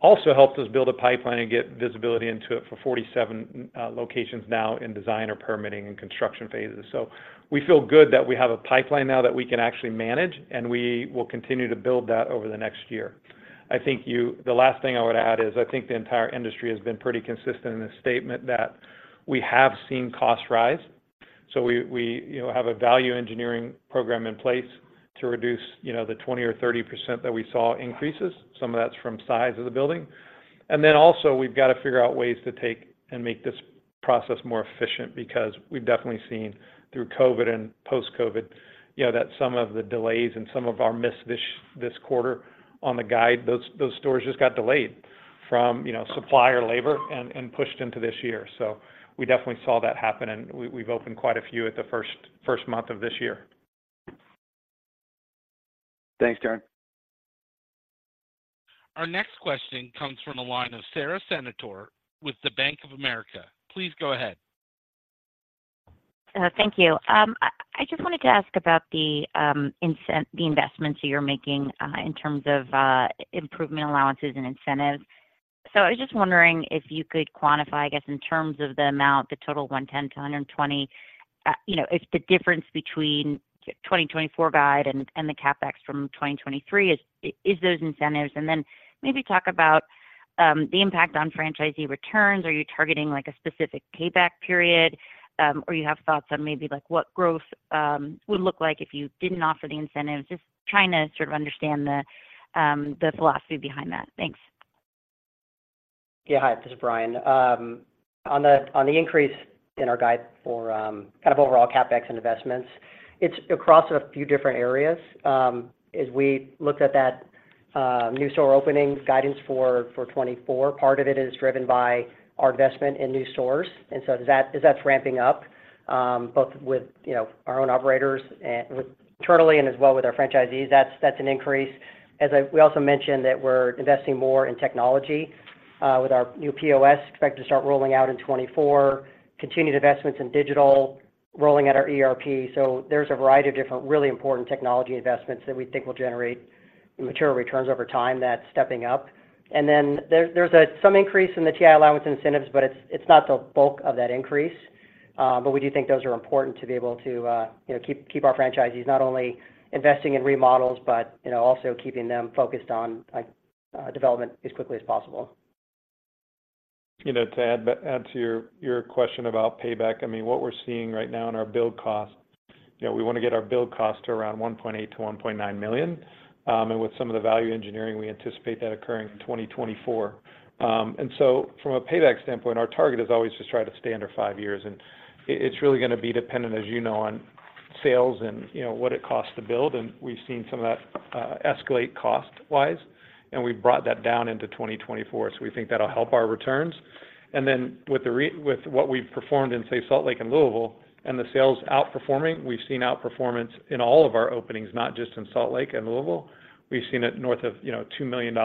also helped us build a pipeline and get visibility into it for 47 locations now in design or permitting and construction phases. So we feel good that we have a pipeline now that we can actually manage, and we will continue to build that over the next year. I think you, the last thing I would add is, I think the entire industry has been pretty consistent in the statement that we have seen costs rise, so we, we, you know, have a value engineering program in place to reduce, you know, the 20 or 30% that we saw increases. Some of that's from size of the building. And then also, we've got to figure out ways to take and make this process more efficient, because we've definitely seen through COVID and post-COVID, you know, that some of the delays and some of our miss this, this quarter on the guide, those, those stores just got delayed from, you know, supply or labor and, and pushed into this year. So we definitely saw that happen, and we, we've opened quite a few at the first, first month of this year. Thanks, Darin. Our next question comes from the line of Sara Senatore with the Bank of America. Please go ahead. Thank you. I just wanted to ask about the investments that you're making in terms of improvement allowances and incentives. So I was just wondering if you could quantify, I guess, in terms of the amount, the total $110-$120, you know, if the difference between 2024 guide and the CapEx from 2023 is those incentives? And then maybe talk about the impact on franchisee returns. Are you targeting, like, a specific payback period, or you have thoughts on maybe, like, what growth would look like if you didn't offer the incentives? Just trying to sort of understand the philosophy behind that. Thanks. Yeah. Hi, this is Brian. On the increase in our guide for kind of overall CapEx and investments, it's across a few different areas. As we looked at that new store openings, guidance for 2024, part of it is driven by our investment in new stores. And so that, as that's ramping up, both with, you know, our own operators and with internally and as well with our franchisees, that's an increase. We also mentioned that we're investing more in technology, with our new POS, expect to start rolling out in 2024, continued investments in digital, rolling out our ERP. So there's a variety of different, really important technology investments that we think will generate material returns over time that's stepping up. Then there's some increase in the TI allowance incentives, but it's not the bulk of that increase. But we do think those are important to be able to, you know, keep our franchisees not only investing in remodels, but, you know, also keeping them focused on, like, development as quickly as possible. You know, to add to your question about payback, I mean, what we're seeing right now in our build cost, you know, we wanna get our build cost to around $1.8 million-$1.9 million. And with some of the value engineering, we anticipate that occurring in 2024. And so from a payback standpoint, our target is always just try to stay under five years, and it's really gonna be dependent, as you know, on sales and, you know, what it costs to build. And we've seen some of that escalate cost-wise, and we've brought that down into 2024. So we think that'll help our returns. And then with what we've performed in, say, Salt Lake and Louisville, and the sales outperforming, we've seen outperformance in all of our openings, not just in Salt Lake and Louisville. We've seen it north of, you know, $2 million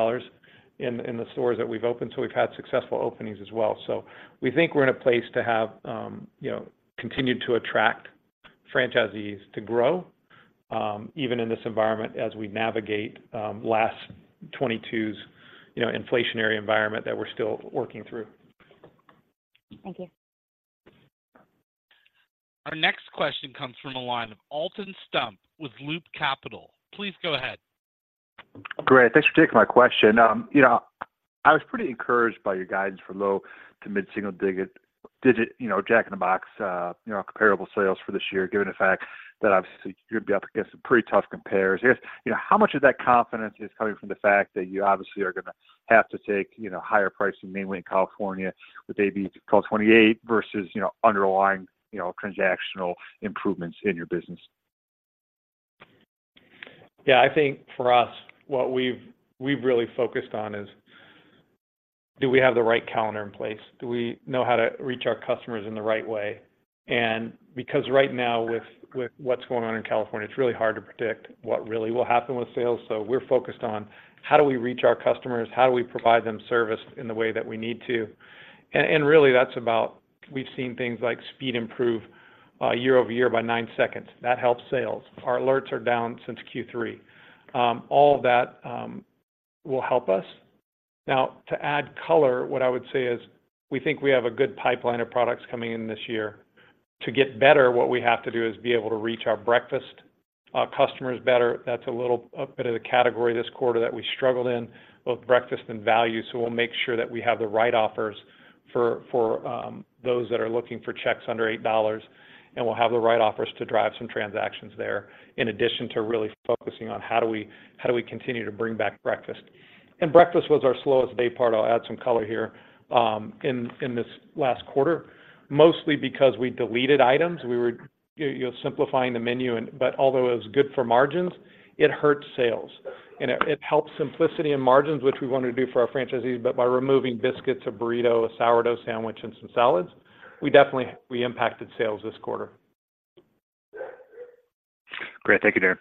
in the stores that we've opened, so we've had successful openings as well. So we think we're in a place to have, you know, continued to attract franchisees to grow, even in this environment as we navigate last 2022's, you know, inflationary environment that we're still working through. Thank you. Our next question comes from the line of Alton Stump with Loop Capital. Please go ahead. Great. Thanks for taking my question. You know, I was pretty encouraged by your guidance for low- to mid-single-digit, you know, Jack in the Box, you know, comparable sales for this year, given the fact that obviously, you're up against some pretty tough compares. Yes, you know, how much of that confidence is coming from the fact that you obviously are gonna have to take, you know, higher pricing, mainly in California, with AB 1228 versus, you know, underlying, you know, transactional improvements in your business? Yeah, I think for us, what we've really focused on is, do we have the right calendar in place? Do we know how to reach our customers in the right way? And because right now, with what's going on in California, it's really hard to predict what really will happen with sales. So we're focused on how do we reach our customers, how do we provide them service in the way that we need to? And really, that's about... We've seen things like speed improve year-over-year by 9 seconds. That helps sales. Our alerts are down since Q3. All of that will help us. Now, to add color, what I would say is, we think we have a good pipeline of products coming in this year. To get better, what we have to do is be able to reach our breakfast customers better. That's a little, a bit of the category this quarter that we struggled in, both breakfast and value. So we'll make sure that we have the right offers for those that are looking for checks under $8, and we'll have the right offers to drive some transactions there, in addition to really focusing on how do we, how do we continue to bring back breakfast. And breakfast was our slowest day part. I'll add some color here in this last quarter, mostly because we deleted items. We were, you know, simplifying the menu and but although it was good for margins, it hurt sales. And it helped simplicity and margins, which we wanted to do for our franchisees, but by removing biscuits, a burrito, a sourdough sandwich, and some salads, we definitely, we impacted sales this quarter. Great. Thank you, Darin.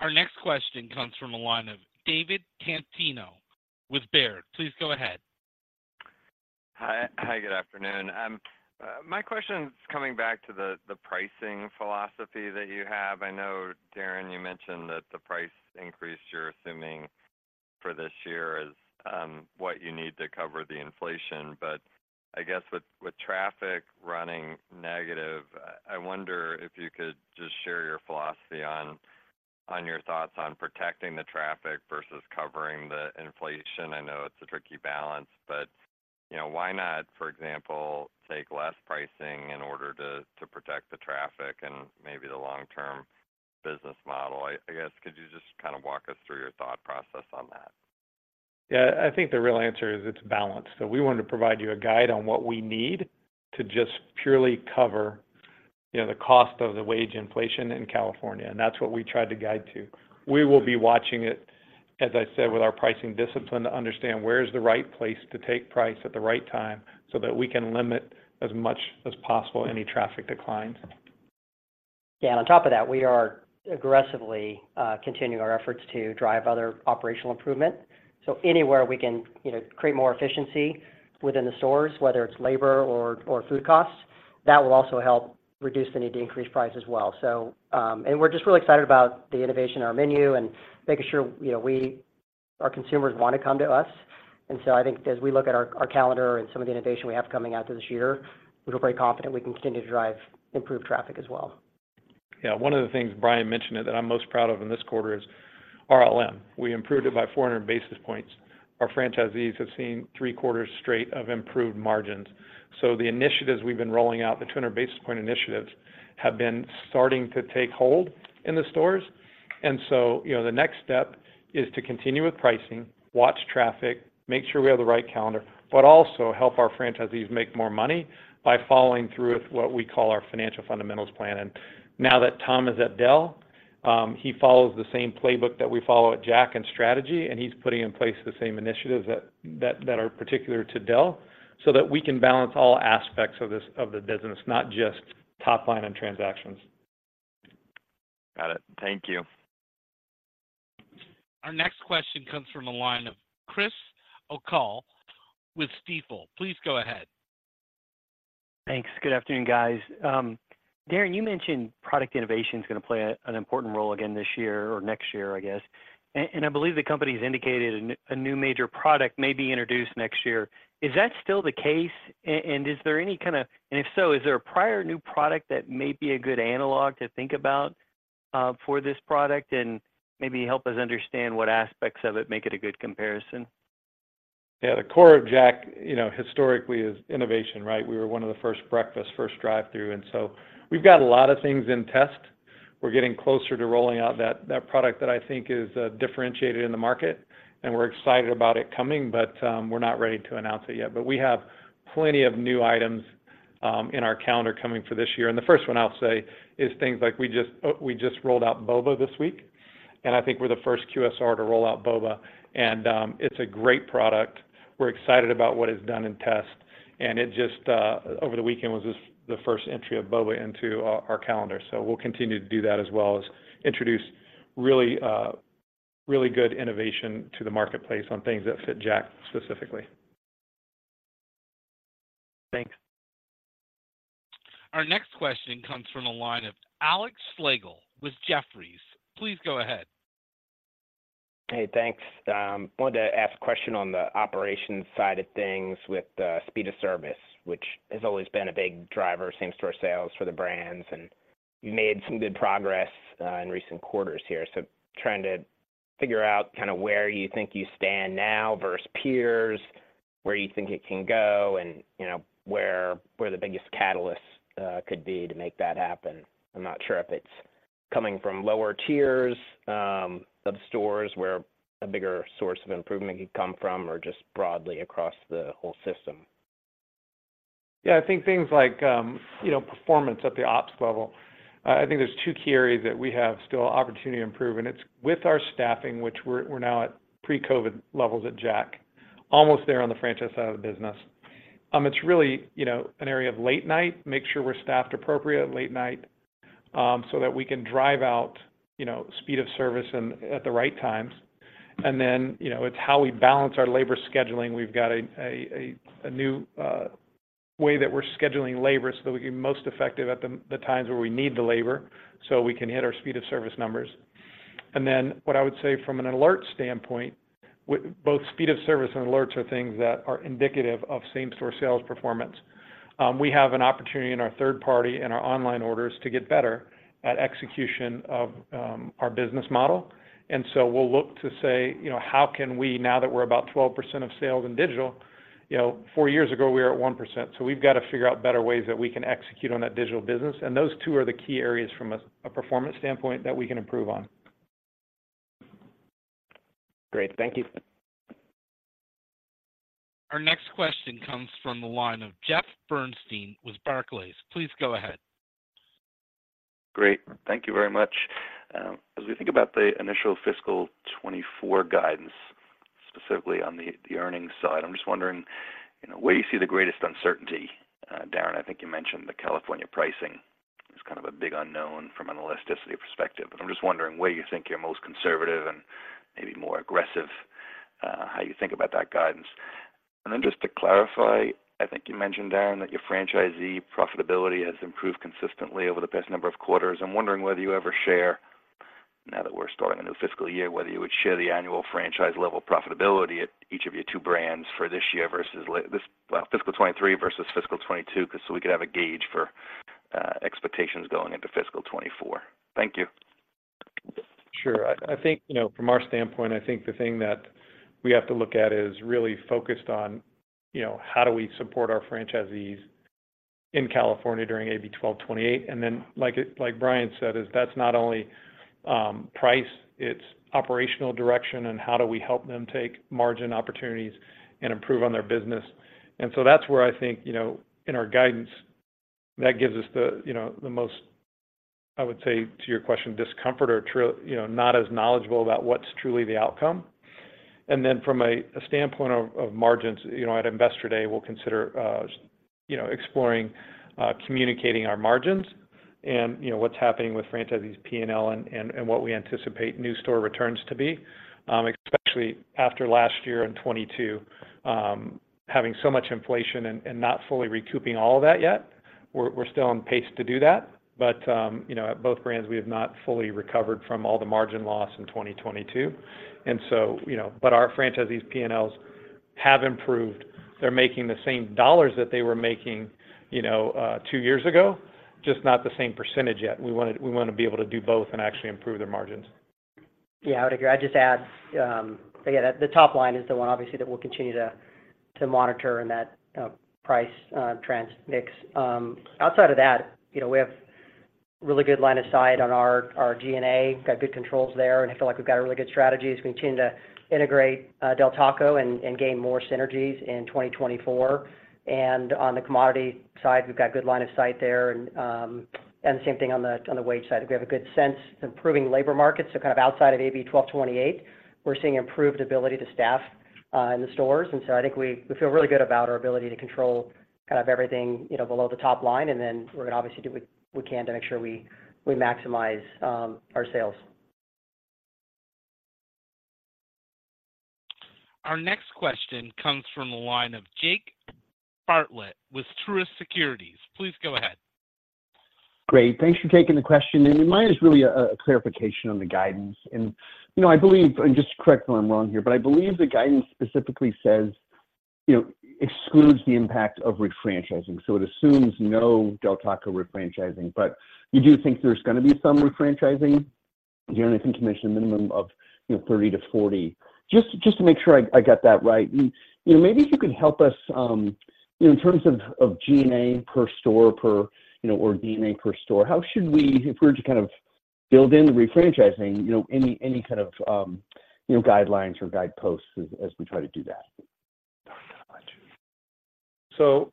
Our next question comes from the line of David Tarantino with Baird. Please go ahead. Hi. Hi, good afternoon. My question is coming back to the pricing philosophy that you have. I know, Darin, you mentioned that the price increase you're assuming for this year is what you need to cover the inflation. But I guess with traffic running negative, I wonder if you could just share your philosophy on your thoughts on protecting the traffic versus covering the inflation. I know it's a tricky balance, but you know, why not, for example, take less pricing in order to protect the traffic and maybe the long-term business model? I guess, could you just kind of walk us through your thought process on that? Yeah. I think the real answer is it's balance. So we wanted to provide you a guide on what we need to just purely cover, you know, the cost of the wage inflation in California, and that's what we tried to guide to. We will be watching it, as I said, with our pricing discipline, to understand where is the right place to take price at the right time, so that we can limit as much as possible any traffic declines. Yeah, on top of that, we are aggressively continuing our efforts to drive other operational improvement. So anywhere we can, you know, create more efficiency within the stores, whether it's labor or food costs, that will also help reduce the need to increase price as well. So... And we're just really excited about the innovation in our menu and making sure, you know, we- our consumers want to come to us. And so I think as we look at our calendar and some of the innovation we have coming out this year, we feel very confident we can continue to drive improved traffic as well. Yeah. One of the things Brian mentioned that I'm most proud of in this quarter is RLM. We improved it by 400 basis points. Our franchisees have seen three quarters straight of improved margins. So the initiatives we've been rolling out, the 200 basis point initiatives, have been starting to take hold in the stores. And so, you know, the next step is to continue with pricing, watch traffic, make sure we have the right calendar, but also help our franchisees make more money by following through with what we call our financial fundamentals plan. And now that Tom is at Del Taco, he follows the same playbook that we follow at Jack in the Box strategy, and he's putting in place the same initiatives that are particular to Del Taco, so that we can balance all aspects of this, of the business, not just top line and transactions. Got it. Thank you. Our next question comes from the line of Chris O'Cull with Stifel. Please go ahead. Thanks. Good afternoon, guys. Darin, you mentioned product innovation is gonna play an important role again this year or next year, I guess. And I believe the company has indicated a new major product may be introduced next year. Is that still the case? And if so, is there any kind of prior new product that may be a good analog to think about for this product? And maybe help us understand what aspects of it make it a good comparison. Yeah, the core of Jack, you know, historically is innovation, right? We were one of the first breakfast, first drive-thru, and so we've got a lot of things in test. We're getting closer to rolling out that product that I think is differentiated in the market, and we're excited about it coming, but we're not ready to announce it yet. But we have plenty of new items in our calendar coming for this year. And the first one I'll say is things like we just rolled out boba this week, and I think we're the first QSR to roll out boba, and it's a great product. We're excited about what it's done in test, and it just over the weekend was just the first entry of boba into our calendar. We'll continue to do that as well as introduce really, really good innovation to the marketplace on things that fit Jack specifically. Thanks. Our next question comes from the line of Alexander Slagle with Jefferies. Please go ahead. Hey, thanks. I wanted to ask a question on the operations side of things with speed of service, which has always been a big driver, same-store sales for the brands, and you made some good progress in recent quarters here. So trying to figure out kinda where you think you stand now versus peers, where you think it can go, and, you know, where, where the biggest catalyst could be to make that happen. I'm not sure if it's coming from lower tiers of stores, where a bigger source of improvement could come from, or just broadly across the whole system. Yeah, I think things like, you know, performance at the ops level. I think there's two key areas that we have still opportunity to improve, and it's with our staffing, which we're now at pre-COVID levels at Jack. Almost there on the franchise side of the business. It's really, you know, an area of late night, make sure we're staffed appropriate at late night, so that we can drive out, you know, speed of service and at the right times. And then, you know, it's how we balance our labor scheduling. We've got a new way that we're scheduling labor so that we can be most effective at the times where we need the labor, so we can hit our speed of service numbers. Then what I would say from an alert standpoint, both speed of service and alerts are things that are indicative of same-store sales performance. We have an opportunity in our third party and our online orders to get better at execution of our business model. And so we'll look to say, you know, how can we, now that we're about 12% of sales in digital, you know, four years ago, we were at 1%, so we've got to figure out better ways that we can execute on that digital business, and those two are the key areas from a performance standpoint that we can improve on. Great. Thank you. Our next question comes from the line of Jeff Bernstein with Barclays. Please go ahead. Great. Thank you very much. As we think about the initial fiscal 2024 guidance, specifically on the, the earnings side, I'm just wondering, you know, where do you see the greatest uncertainty? Darin, I think you mentioned the California pricing is kind of a big unknown from an elasticity perspective, but I'm just wondering where you think you're most conservative and maybe more aggressive, how you think about that guidance. And then just to clarify, I think you mentioned, Darin, that your franchisee profitability has improved consistently over the past number of quarters. I'm wondering whether you ever share, now that we're starting a new fiscal year, whether you would share the annual franchise-level profitability at each of your two brands for this year versus this, well, fiscal 2023 versus fiscal 2022, just so we could have a gauge for expectations going into fiscal 2024. Thank you. Sure. I think, you know, from our standpoint, I think the thing that we have to look at is really focused on, you know, how do we support our franchisees in California during AB 1228? And then, like Brian said, that's not only price, it's operational direction, and how do we help them take margin opportunities and improve on their business? And so that's where I think, you know, in our guidance, that gives us the, you know, the most, I would say, to your question, discomfort or, you know, not as knowledgeable about what's truly the outcome. Then from a standpoint of margins, you know, at Investor Day, we'll consider, you know, exploring communicating our margins and, you know, what's happening with franchisees' P&L and what we anticipate new store returns to be, especially after last year in 2022, having so much inflation and not fully recouping all of that yet. We're still on pace to do that, but, you know, at both brands, we have not fully recovered from all the margin loss in 2022. And so, you know... But our franchisees' P&Ls have improved. They're making the same dollars that they were making, you know, two years ago, just not the same percentage yet. We wanna be able to do both and actually improve their margins. Yeah, I would agree. I'd just add... Again, the top line is the one, obviously, that we'll continue to monitor and that price traffic mix. Outside of that, you know, we have really good line of sight on our G&A, got good controls there, and I feel like we've got a really good strategy as we continue to integrate Del Taco and gain more synergies in 2024. On the commodity side, we've got good line of sight there, and the same thing on the wage side. We have a good sense, improving labor markets, so kind of outside of AB 1228, we're seeing improved ability to staff in the stores. And so I think we feel really good about our ability to control kind of everything, you know, below the top line, and then we're gonna obviously do what we can to make sure we maximize our sales. Our next question comes from the line of Jake Bartlett with Truist Securities. Please go ahead. Great. Thanks for taking the question. And mine is really a clarification on the guidance. And, you know, I believe, and just correct me if I'm wrong here, but I believe the guidance specifically says, you know, excludes the impact of refranchising. So it assumes no Del Taco refranchising, but you do think there's gonna be some refranchising? You know, I think you mentioned a minimum of, you know, 30-40. Just to make sure I got that right. And, you know, maybe if you could help us, you know, in terms of SG&A per store, you know, or SG&A per store, how should we, if we were to kind of build in the refranchising, you know, any kind of, you know, guidelines or guideposts as we try to do that? So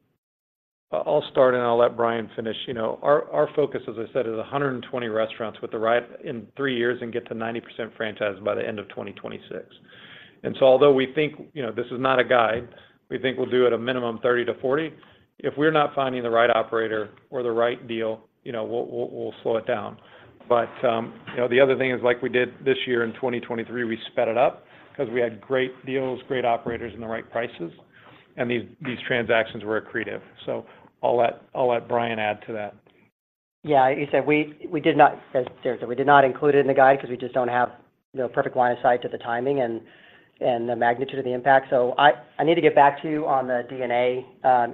I'll start, and I'll let Brian finish. You know, our focus, as I said, is 120 restaurants with the right in three years and get to 90% franchised by the end of 2026. And so although we think, you know, this is not a guide, we think we'll do at a minimum 30-40. If we're not finding the right operator or the right deal, you know, we'll slow it down. But, you know, the other thing is, like we did this year in 2023, we sped it up because we had great deals, great operators, and the right prices, and these transactions were accretive. So I'll let Brian add to that. Yeah, like you said, we, we did not, as Darin said, we did not include it in the guide because we just don't have, you know, perfect line of sight to the timing and, and the magnitude of the impact. So I, I need to get back to you on the G&A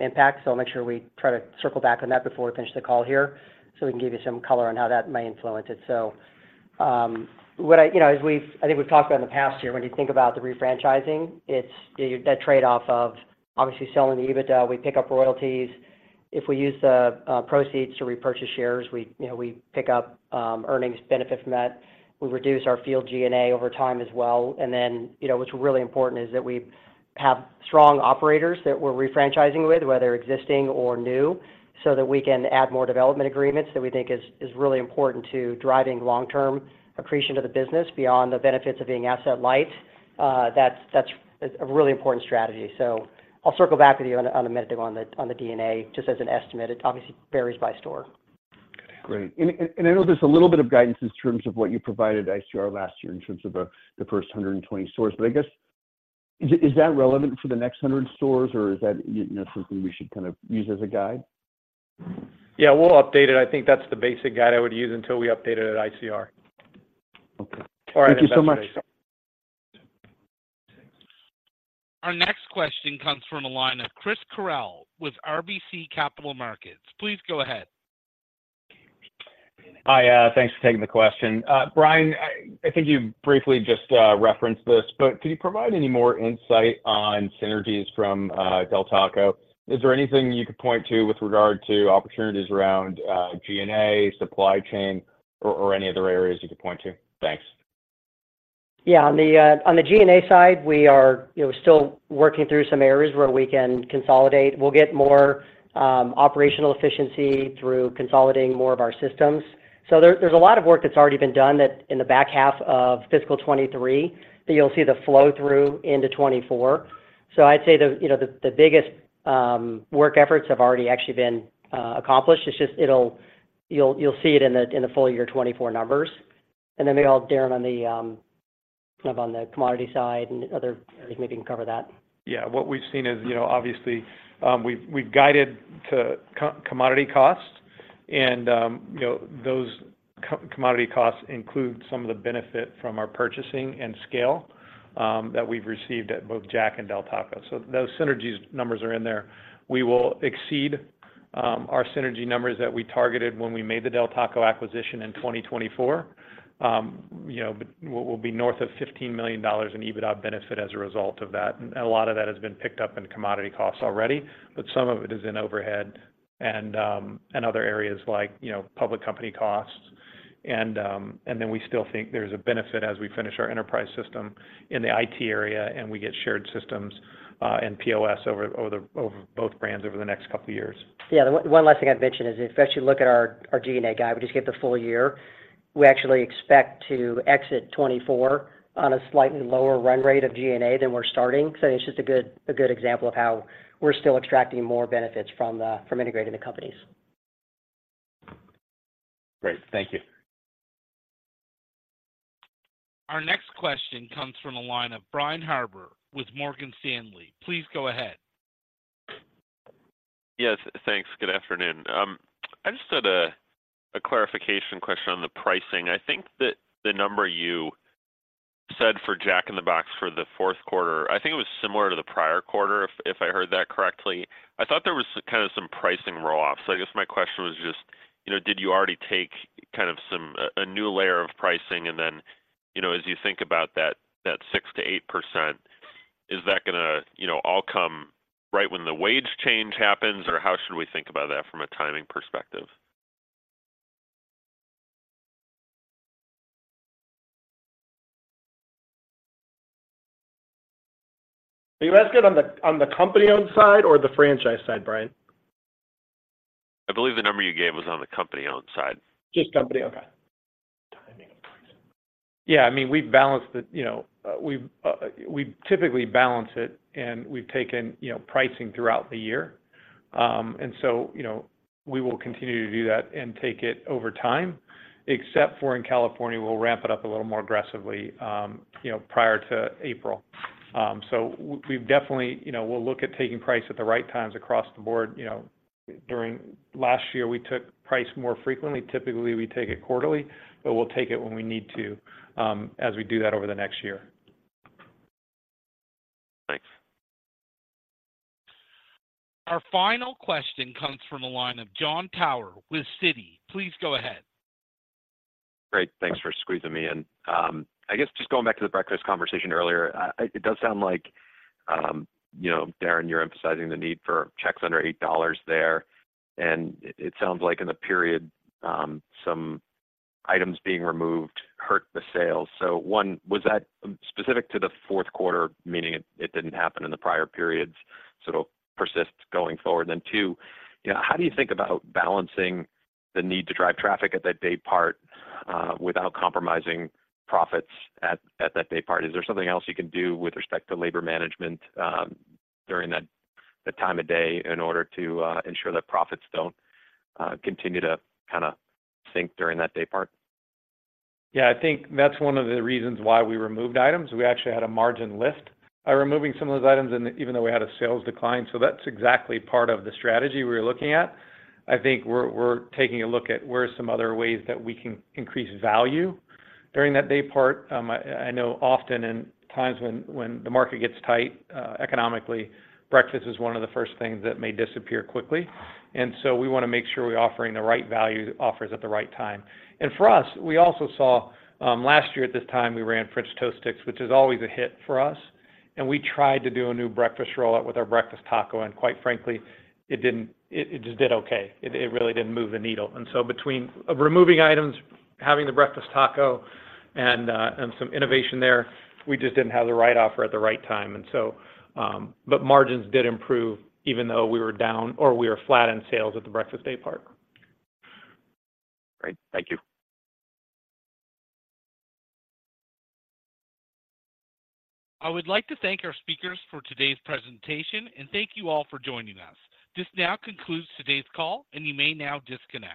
impact, so I'll make sure we try to circle back on that before we finish the call here, so we can give you some color on how that may influence it. So, you know, as we've, I think we've talked about in the past year, when you think about the refranchising, it's that trade-off of obviously selling the EBITDA. We pick up royalties. If we use the proceeds to repurchase shares, we, you know, we pick up earnings benefit from that. We reduce our field G&A over time as well. And then, you know, what's really important is that we have strong operators that we're refranchising with, whether existing or new, so that we can add more development agreements that we think is really important to driving long-term accretion to the business beyond the benefits of being asset light. That's a really important strategy. So I'll circle back with you in a minute on the G&A, just as an estimate. It obviously varies by store. Great. I know there's a little bit of guidance in terms of what you provided ICR last year in terms of the first 100 stores, but I guess, is that relevant for the next 100 stores, or is that, you know, something we should kind of use as a guide? Yeah, we'll update it. I think that's the basic guide I would use until we update it at ICR. Okay. All right. Thank you so much. Our next question comes from the line of Chris Carril with RBC Capital Markets. Please go ahead. Hi, thanks for taking the question. Brian, I think you briefly just referenced this, but could you provide any more insight on synergies from Del Taco? Is there anything you could point to with regard to opportunities around G&A, supply chain, or any other areas you could point to? Thanks. Yeah. On the G&A side, we are, you know, still working through some areas where we can consolidate. We'll get more operational efficiency through consolidating more of our systems. So there, there's a lot of work that's already been done that in the back half of fiscal 2023, that you'll see the flow-through into 2024. So I'd say the, you know, the biggest work efforts have already actually been accomplished. It's just it'll. You'll see it in the full year 2024 numbers. And then maybe I'll, Darin, on the kind of on the commodity side and other, I think maybe you can cover that. Yeah. What we've seen is, you know, obviously, we've guided to commodity costs, and you know, those commodity costs include some of the benefit from our purchasing and scale that we've received at both Jack and Del Taco. So those synergies numbers are in there. We will exceed our synergy numbers that we targeted when we made the Del Taco acquisition in 2024. You know, but we'll be north of $15 million in EBITDA benefit as a result of that. And a lot of that has been picked up in commodity costs already, but some of it is in overhead and other areas like, you know, public company costs. And then we still think there's a benefit as we finish our enterprise system in the IT area, and we get shared systems, and POS over both brands over the next couple of years. Yeah. The one last thing I'd mention is, if you actually look at our G&A guide, we just get the full year. We actually expect to exit 2024 on a slightly lower run rate of G&A than we're starting. So it's just a good example of how we're still extracting more benefits from integrating the companies. Great. Thank you. Our next question comes from the line of Brian Harbour with Morgan Stanley. Please go ahead. Yes, thanks. Good afternoon. I just had a clarification question on the pricing. I think that the number you said for Jack in the Box for the fourth quarter, I think it was similar to the prior quarter, if I heard that correctly. I thought there was kind of some pricing roll-off. So I guess my question was just, you know, did you already take kind of some new layer of pricing? And then, you know, as you think about that, that 6%-8%, is that gonna, you know, all come right when the wage change happens, or how should we think about that from a timing perspective? Are you asking on the company-owned side or the franchise side, Brian?... I believe the number you gave was on the company-owned side? Just company, okay. Yeah, I mean, we've balanced it, you know, we typically balance it, and we've taken, you know, pricing throughout the year. And so, you know, we will continue to do that and take it over time, except for in California, we'll ramp it up a little more aggressively, you know, prior to April. So we've definitely, you know, we'll look at taking price at the right times across the board, you know, during... Last year, we took price more frequently. Typically, we take it quarterly, but we'll take it when we need to, as we do that over the next year. Thanks. Our final question comes from the line of Jon Tower with Citi. Please go ahead. Great. Thanks for squeezing me in. I guess just going back to the breakfast conversation earlier, it does sound like, you know, Darin, you're emphasizing the need for checks under $8 there, and it, it sounds like in the period, some items being removed hurt the sales. So one, was that specific to the fourth quarter, meaning it, it didn't happen in the prior periods, so it'll persist going forward? Then two, you know, how do you think about balancing the need to drive traffic at that day part, without compromising profits at, at that day part? Is there something else you can do with respect to labor management, during that, that time of day in order to, ensure that profits don't, continue to kinda sink during that day part? Yeah, I think that's one of the reasons why we removed items. We actually had a margin lift by removing some of those items, and even though we had a sales decline, so that's exactly part of the strategy we're looking at. I think we're taking a look at where are some other ways that we can increase value during that day part. I know often in times when the market gets tight economically, breakfast is one of the first things that may disappear quickly, and so we wanna make sure we're offering the right value offers at the right time. And for us, we also saw... Last year at this time, we ran French toast sticks, which is always a hit for us, and we tried to do a new breakfast rollout with our breakfast taco, and quite frankly, it didn't, it just did okay. It really didn't move the needle. And so between removing items, having the breakfast taco, and some innovation there, we just didn't have the right offer at the right time, and so, but margins did improve even though we were down or we were flat in sales at the breakfast day part. Great. Thank you. I would like to thank our speakers for today's presentation, and thank you all for joining us. This now concludes today's call, and you may now disconnect.